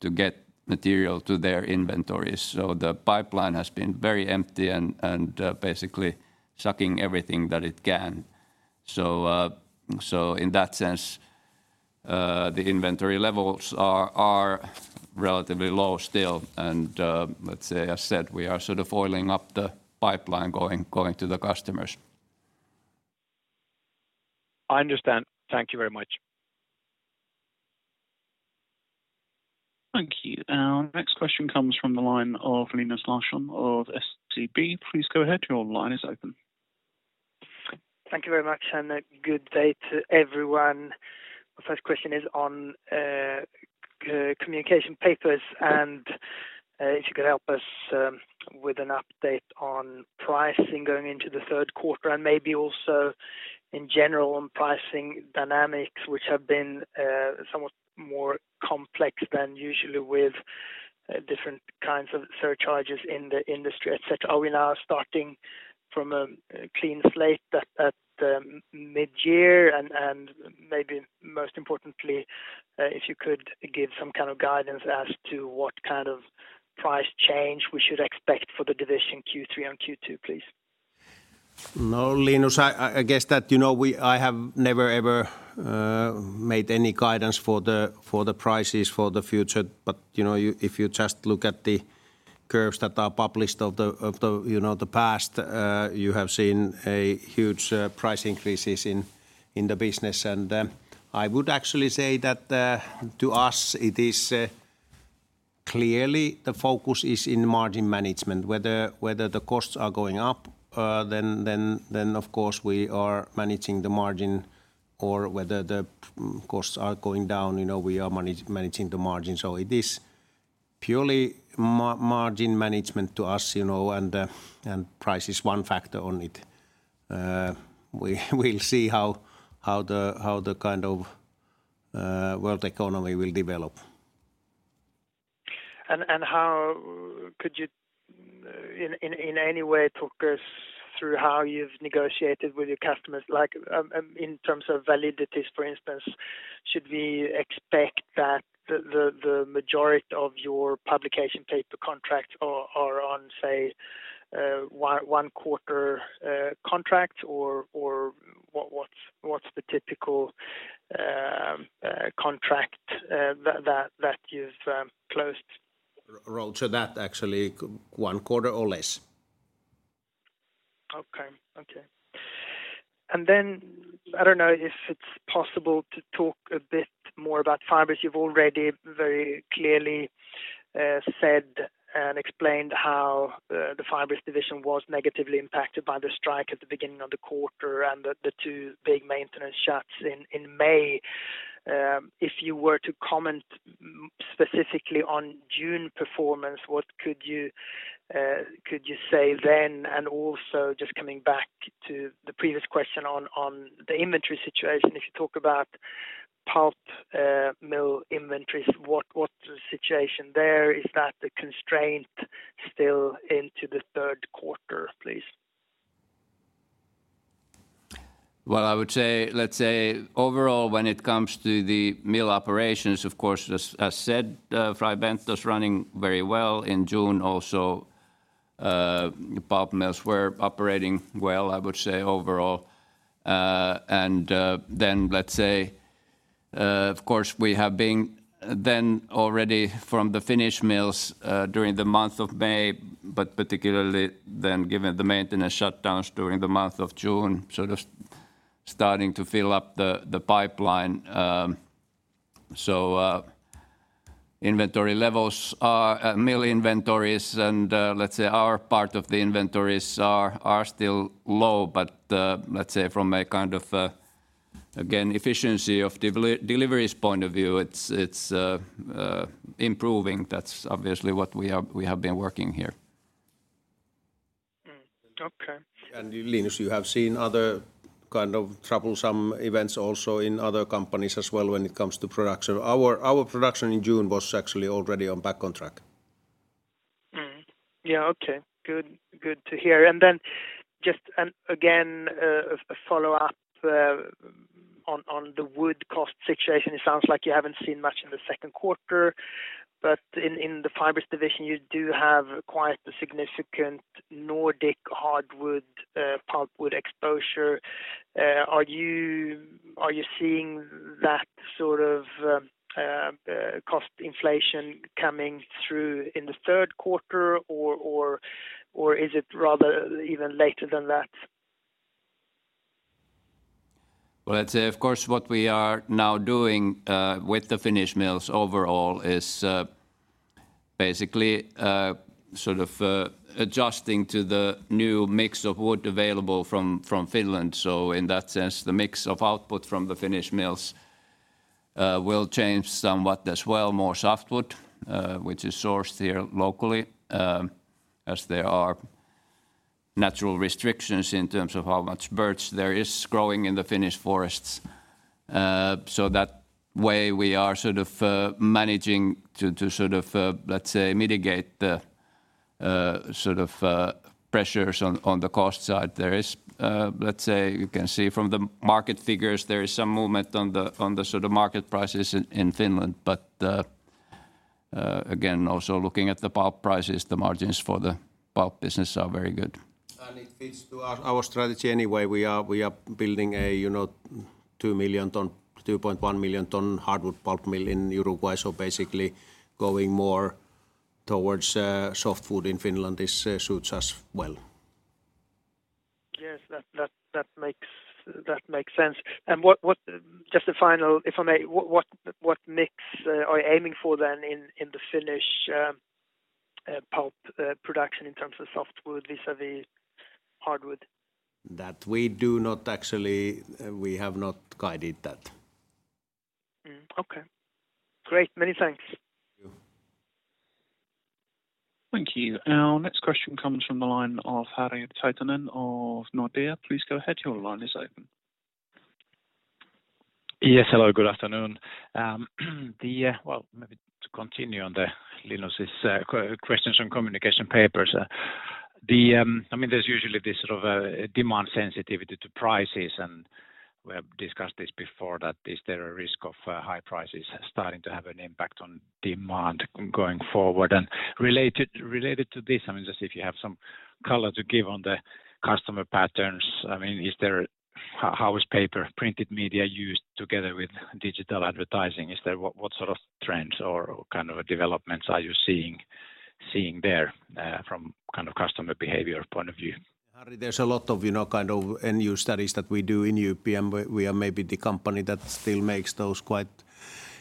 to get material to their inventories. The pipeline has been very empty and basically sucking everything that it can. In that sense, the inventory levels are relatively low still. Let's say, as said, we are sort of oiling up the pipeline going to the customers. I understand. Thank you very much. Thank you. Our next question comes from the line of Linus Larsson of SEB. Please go ahead, your line is open. Thank you very much, and a good day to everyone. My first question is on Communication Papers, and if you could help us with an update on pricing going into the third quarter and maybe also in general on pricing dynamics, which have been somewhat more complex than usually with different kinds of surcharges in the industry, et cetera. Are we now starting from a clean slate at mid-year? Maybe most importantly, if you could give some kind of guidance as to what kind of price change we should expect for the division Q3 and Q2, please. No, Linus, I guess that, you know, I have never, ever, made any guidance for the prices for the future. You know, if you just look at the curves that are published of the, you know, the past, you have seen a huge price increases in the business. I would actually say that to us, it is clearly the focus is in margin management. Whether the costs are going up, then of course we are managing the margin, or whether the costs are going down, you know, we are managing the margin. It is purely margin management to us, you know, and price is one factor on it. We will see how the kind of world economy will develop. How could you in any way talk us through how you've negotiated with your customers? Like, in terms of validities, for instance, should we expect that the majority of your publication paper contracts are on, say, one quarter contracts? Or what's the typical contract that you've closed? Roll to that actually, one quarter or less. I don't know if it's possible to talk a bit more about fibers. You've already very clearly said and explained how the Fibers Division was negatively impacted by the strike at the beginning of the quarter and the two big maintenance shuts in May. If you were to comment specifically on June performance, what could you say then? Also just coming back to the previous question on the inventory situation. If you talk about pulp mill inventories, what's the situation there? Is that the constraint still into the third quarter, please? Well, I would say, let's say overall when it comes to the mill operations, of course, as said, Fray Bentos was running very well in June also. Pulp mills were operating well, I would say overall. Then let's say, of course we have been then already from the Finnish mills during the month of May, but particularly then given the maintenance shutdowns during the month of June, so just starting to fill up the pipeline. Inventory levels are mill inventories and let's say our part of the inventories are still low, but let's say from a kind of again, efficiency of delivery's point of view, it's improving. That's obviously what we have been working here. Okay. Linus, you have seen other kind of troublesome events also in other companies as well when it comes to production. Our production in June was actually already back on track. Yeah. Okay. Good. Good to hear. Then just and again follow up on the wood cost situation. It sounds like you haven't seen much in the second quarter, but in the Fibres division you do have quite the significant Nordic hardwood pulpwood exposure. Are you seeing that sort of cost inflation coming through in the third quarter? Or is it rather even later than that? Well, let's say, of course, what we are now doing with the Finnish mills overall is basically sort of adjusting to the new mix of wood available from Finland. In that sense, the mix of output from the Finnish mills will change somewhat as well, more softwood which is sourced here locally, as there are natural restrictions in terms of how much birch there is growing in the Finnish forests. So that way we are sort of managing to sort of let's say mitigate the sort of pressures on the cost side. There is, let's say you can see from the market figures there is some movement on the sort of market prices in Finland. Again, also looking at the pulp prices, the margins for the pulp business are very good. It fits to our strategy anyway. We are building a you know 2 million ton, 2.1 million ton hardwood pulp mill in Uruguay. Basically going more towards softwood in Finland suits us well. Yes. That makes sense. Just a final, if I may, what mix are you aiming for then in the Finnish pulp production in terms of softwood vis-a-vis hardwood? That we do not actually. We have not guided that. Okay. Great. Many thanks. Thank you. Thank you. Our next question comes from the line of Harri Taittonen of Nordea. Please go ahead. Your line is open. Yes. Hello. Good afternoon. Maybe to continue on Linus's questions on Communication Papers. I mean there's usually this sort of demand sensitivity to prices, and we have discussed this before that is there a risk of high prices starting to have an impact on demand going forward? Related to this, I mean, just if you have some color to give on the customer patterns. I mean, how is paper, printed media used together with digital advertising? What sort of trends or kind of developments are you seeing there from kind of customer behavior point of view? Harri, there's a lot of, you know, kind of new studies that we do in UPM. We are maybe the company that still makes those quite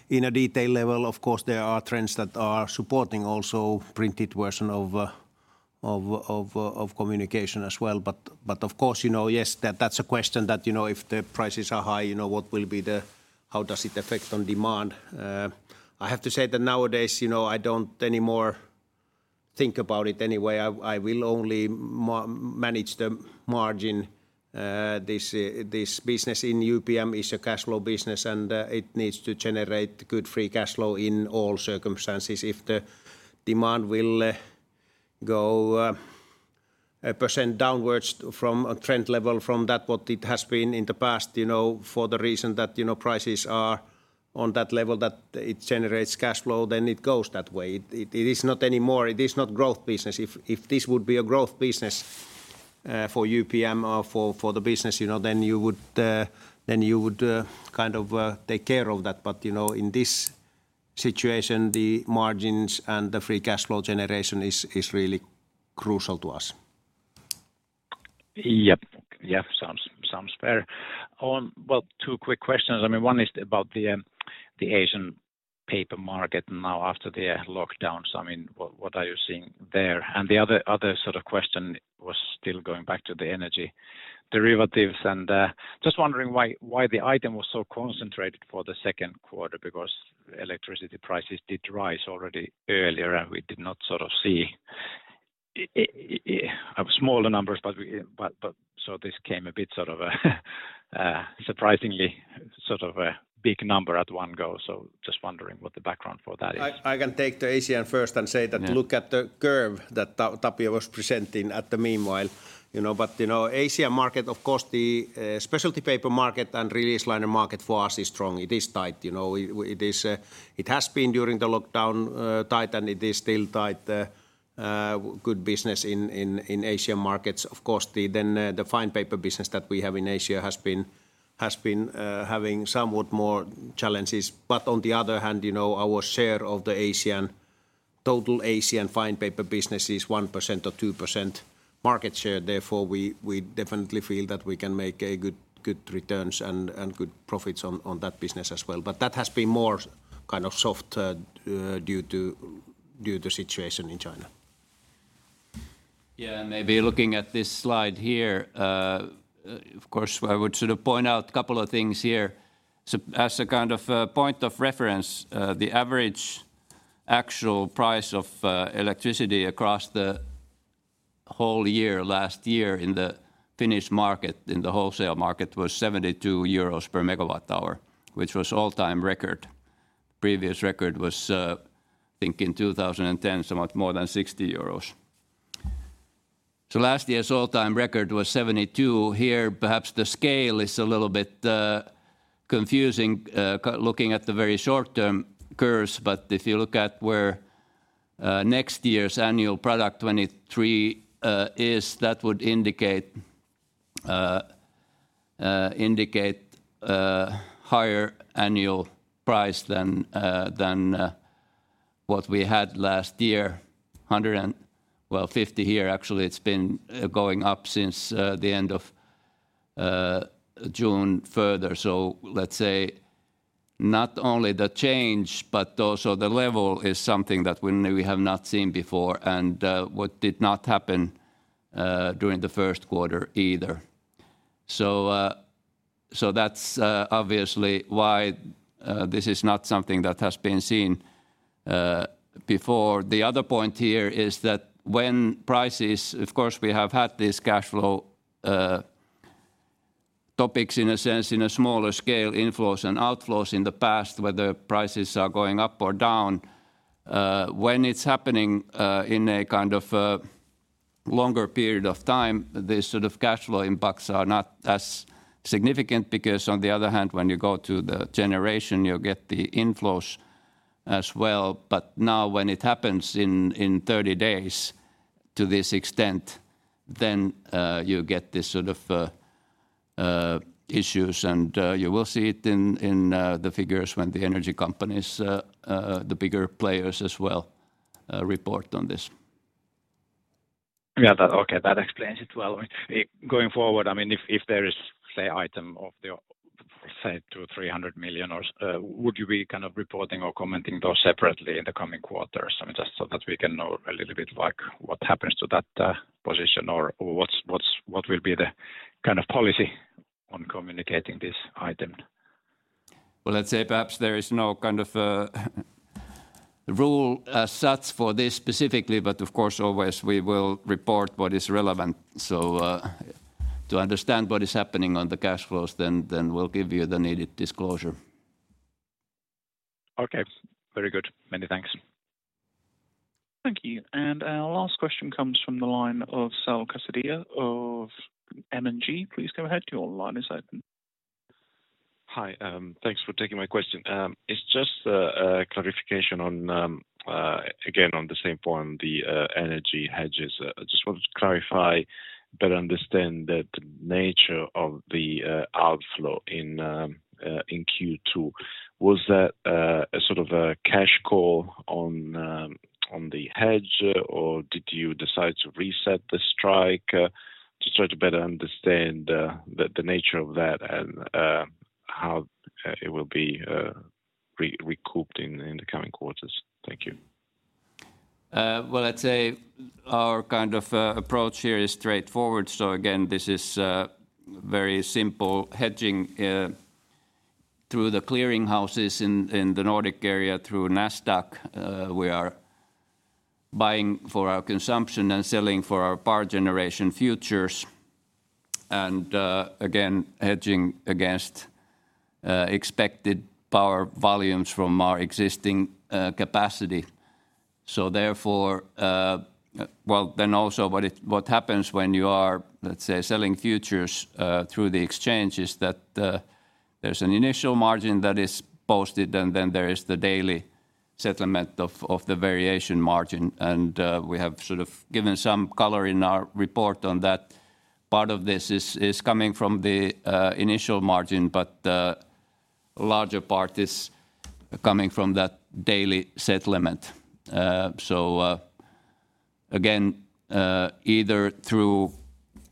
in detail. Of course, there are trends that are supporting also printed version of communication as well. Of course, you know, that's a question that, you know, if the prices are high, you know, how does it affect on demand? I have to say that nowadays, you know, I don't anymore think about it anyway. I will only manage the margin. This business in UPM is a cash flow business, and it needs to generate good free cash flow in all circumstances. If the demand will go 1% downwards from a trend level from what it has been in the past, you know, for the reason that, you know, prices are on that level, that it generates cash flow, then it goes that way. It is not a growth business anymore. If this would be a growth business for UPM or for the business, you know, then you would kind of take care of that. You know, in this situation, the margins and the free cash flow generation is really crucial to us. Yep. Sounds fair. Well, two quick questions. I mean, one is about the Asian paper market now after the lockdowns. I mean, what are you seeing there? The other sort of question was still going back to the energy derivatives and just wondering why the item was so concentrated for the second quarter, because electricity prices did rise already earlier and we did not sort of have smaller numbers, but so this came a bit sort of a surprisingly sort of a big number at one go. Just wondering what the background for that is. I can take the question first and say that. Yeah Look at the curve that Tapio was presenting in the meanwhile. You know? You know, Asian market, of course, the specialty paper market and release liner market for us is strong. It is tight, you know. It is. It has been during the lockdown tight, and it is still tight. Good business in Asian markets. Of course, then the fine paper business that we have in Asia has been having somewhat more challenges. On the other hand, you know, our share of the total Asian fine paper business is 1% or 2% market share. Therefore, we definitely feel that we can make good returns and good profits on that business as well. That has been more kind of soft, due to situation in China. Yeah. Maybe looking at this slide here, of course, I would sort of point out a couple of things here. As a kind of a point of reference, the average actual price of electricity across the whole year last year in the Finnish market, in the wholesale market, was 72 euros per MWh, which was all-time record. Previous record was, I think in 2010, somewhat more than 60 euros. Last year's all-time record was 72. Here perhaps the scale is a little bit confusing, looking at the very short-term curves, but if you look at where next year's annual product, 2023, is, that would indicate higher annual price than what we had last year, 150. Well, 50 here. Actually, it's been going up since the end of June further. Let's say not only the change, but also the level is something that we have not seen before, and what did not happen during the first quarter either. That's obviously why this is not something that has been seen before. The other point here is that when prices, of course we have had these cash flow topics in a sense on a smaller scale inflows and outflows in the past, whether prices are going up or down. When it's happening in a kind of a longer period of time, the sort of cash flow impacts are not as significant because on the other hand, when you go to the generation, you'll get the inflows as well. Now when it happens in 30 days to this extent, then you get these sort of issues, and you will see it in the figures when the energy companies, the bigger players as well, report on this. Yeah. Okay. That explains it well. I mean, going forward, I mean, if there is, say, an item of say 200-300 million or so, would you be kind of reporting or commenting those separately in the coming quarters? I mean, just so that we can know a little bit like what happens to that position or what will be the kind of policy on communicating this item. Well, let's say perhaps there is no kind of a rule as such for this specifically, but of course always we will report what is relevant. To understand what is happening on the cash flows then, we'll give you the needed disclosure. Okay. Very good. Many thanks. Thank you. Our last question comes from the line of Saul Casadio of M&G. Please go ahead, your line is open. Hi. Thanks for taking my question. It's just a clarification on again on the same point, the energy hedges. I just wanted to clarify better understand the nature of the outflow in Q2. Was that a sort of a cash call on the hedge, or did you decide to reset the strike? To try to better understand the nature of that and how it will be recouped in the coming quarters. Thank you. Well, let's say our kind of approach here is straightforward. Again, this is very simple hedging through the clearing houses in the Nordic area through Nasdaq. We are buying for our consumption and selling for our power generation futures and again, hedging against expected power volumes from our existing capacity. What happens when you are, let's say, selling futures through the exchange is that there's an initial margin that is posted and then there is the daily settlement of the variation margin. We have sort of given some color in our report on that. Part of this is coming from the initial margin, but the larger part is coming from that daily settlement. Again, either through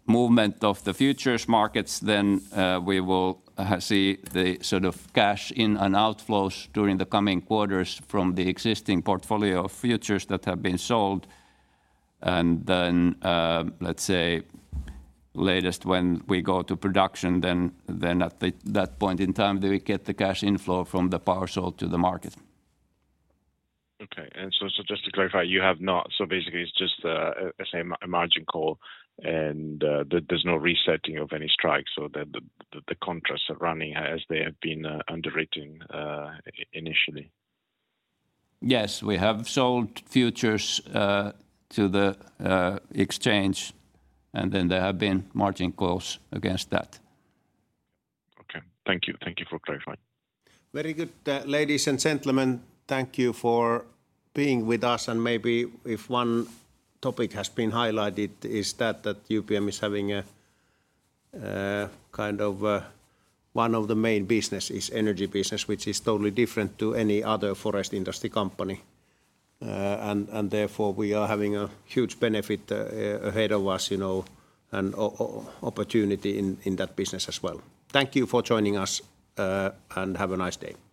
movement of the futures markets, then we will see the sort of cash inflows and outflows during the coming quarters from the existing portfolio of futures that have been sold. Let's say at the latest when we go to production, then at that point in time we do get the cash inflow from the power sold to the market. Okay. Just to clarify, basically it's just a margin call and there's no resetting of any strikes, so the contracts are running as they have been, underwritten initially. Yes. We have sold futures to the exchange, and then there have been margin calls against that. Okay. Thank you. Thank you for clarifying. Very good. Ladies and gentlemen, thank you for being with us, and maybe one topic that has been highlighted is that UPM is having a kind of one of the main business is energy business, which is totally different to any other forest industry company. Therefore we are having a huge benefit ahead of us, you know, and opportunity in that business as well. Thank you for joining us, and have a nice day.